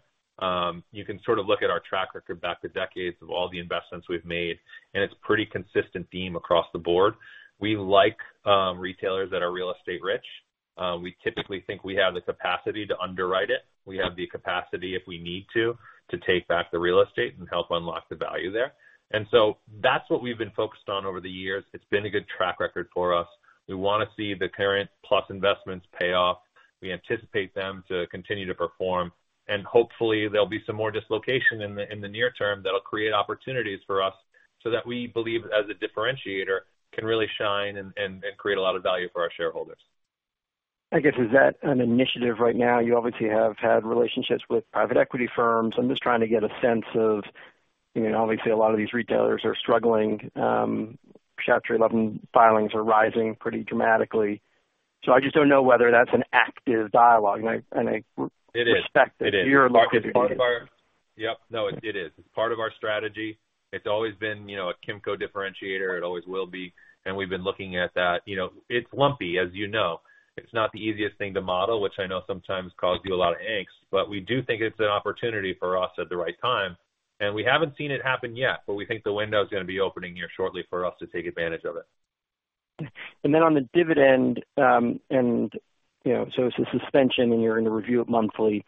You can sort of look at our track record back to decades of all the investments we've made, and it's pretty consistent theme across the board. We like retailers that are real estate rich. We typically think we have the capacity to underwrite it. We have the capacity, if we need to take back the real estate and help unlock the value there. That's what we've been focused on over the years. It's been a good track record for us. We want to see the current plus investments pay off. We anticipate them to continue to perform, and hopefully there'll be some more dislocation in the near term that'll create opportunities for us so that we believe as a differentiator can really shine and create a lot of value for our shareholders. I guess, is that an initiative right now? You obviously have had relationships with private equity firms. I'm just trying to get a sense of, obviously, a lot of these retailers are struggling. Chapter 11 filings are rising pretty dramatically. I just don't know whether that's an active dialogue respect that you're looking at it. Yep. No, it is. It's part of our strategy. It's always been a Kimco differentiator. It always will be. We've been looking at that. It's lumpy, as you know. It's not the easiest thing to model, which I know sometimes causes you a lot of angst. We do think it's an opportunity for us at the right time, and we haven't seen it happen yet, but we think the window is going to be opening here shortly for us to take advantage of it. On the dividend, it's a suspension and you're in the review it monthly.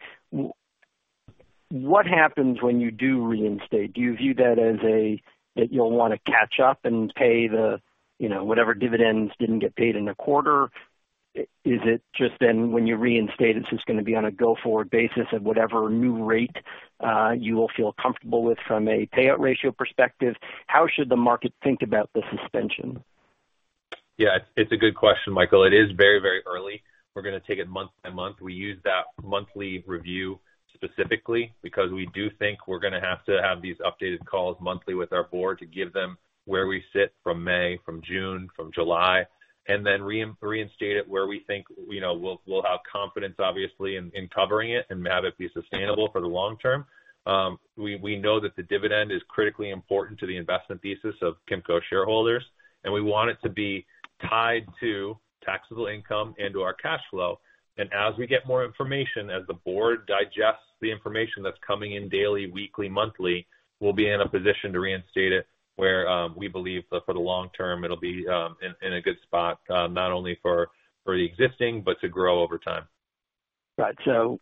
What happens when you do reinstate? Do you view that as a, that you'll want to catch up and pay the whatever dividends didn't get paid in the quarter? Is it just then when you reinstate, it's just going to be on a go-forward basis at whatever new rate you will feel comfortable with from a payout ratio perspective? How should the market think about the suspension? Yeah, it's a good question, Michael. It is very, very early. We're going to take it month by month. We use that monthly review specifically because we do think we're going to have to have these updated calls monthly with our board to give them where we sit from May, from June, from July, and then reinstate it where we think we'll have confidence, obviously, in covering it and have it be sustainable for the long term. We know that the dividend is critically important to the investment thesis of Kimco shareholders, and we want it to be tied to taxable income and to our cash flow. As we get more information, as the board digests the information that's coming in daily, weekly, monthly, we'll be in a position to reinstate it where we believe that for the long term it'll be in a good spot not only for the existing, but to grow over time. Right.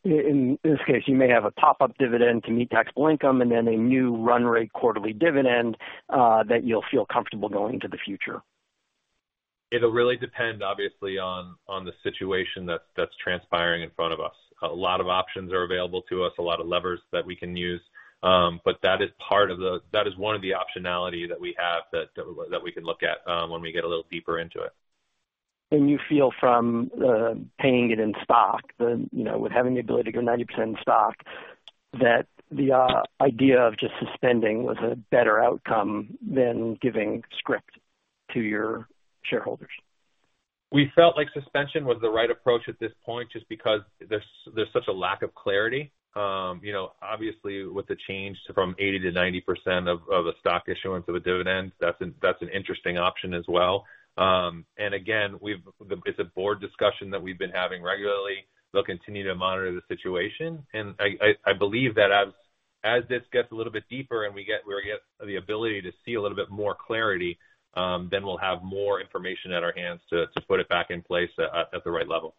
In this case, you may have a pop-up dividend to meet taxable income and then a new run rate quarterly dividend that you'll feel comfortable going into the future. It'll really depend, obviously, on the situation that's transpiring in front of us. A lot of options are available to us, a lot of levers that we can use. That is one of the optionality that we have that we can look at when we get a little deeper into it. You feel from paying it in stock, with having the ability to go 90% in stock, that the idea of just suspending was a better outcome than giving script to your shareholders. We felt like suspension was the right approach at this point just because there's such a lack of clarity. Obviously, with the change from 80%-90% of a stock issuance of a dividend, that's an interesting option as well. Again, it's a board discussion that we've been having regularly. They'll continue to monitor the situation. I believe that as this gets a little bit deeper and we get the ability to see a little bit more clarity, we'll have more information at our hands to put it back in place at the right level.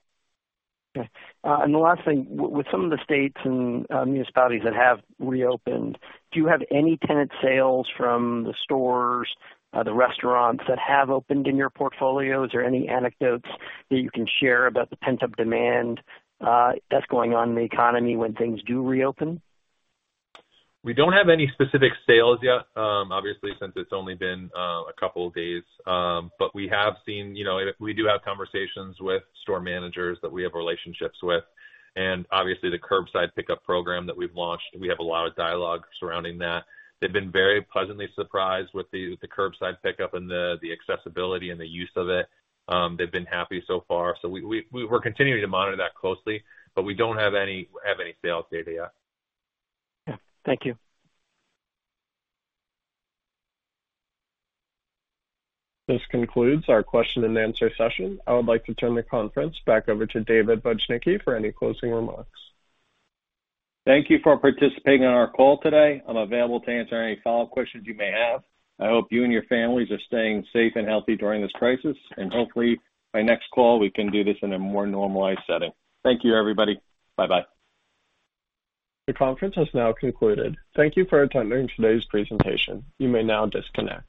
Okay. The last thing, with some of the states and municipalities that have reopened, do you have any tenant sales from the stores, the restaurants that have opened in your portfolios, or any anecdotes that you can share about the pent-up demand that's going on in the economy when things do reopen? We don't have any specific sales yet obviously, since it's only been a couple of days. We do have conversations with store managers that we have relationships with, and obviously the Curbside Pickup program that we've launched, we have a lot of dialogue surrounding that. They've been very pleasantly surprised with the Curbside Pickup and the accessibility and the use of it. They've been happy so far. We're continuing to monitor that closely, but we don't have any sales data yet. Yeah. Thank you. This concludes our question and answer session. I would like to turn the conference back over to David Bujnicki for any closing remarks. Thank you for participating on our call today. I'm available to answer any follow-up questions you may have. I hope you and your families are staying safe and healthy during this crisis, and hopefully by next call, we can do this in a more normalized setting. Thank you, everybody. Bye-bye. The conference has now concluded. Thank you for attending today's presentation. You may now disconnect.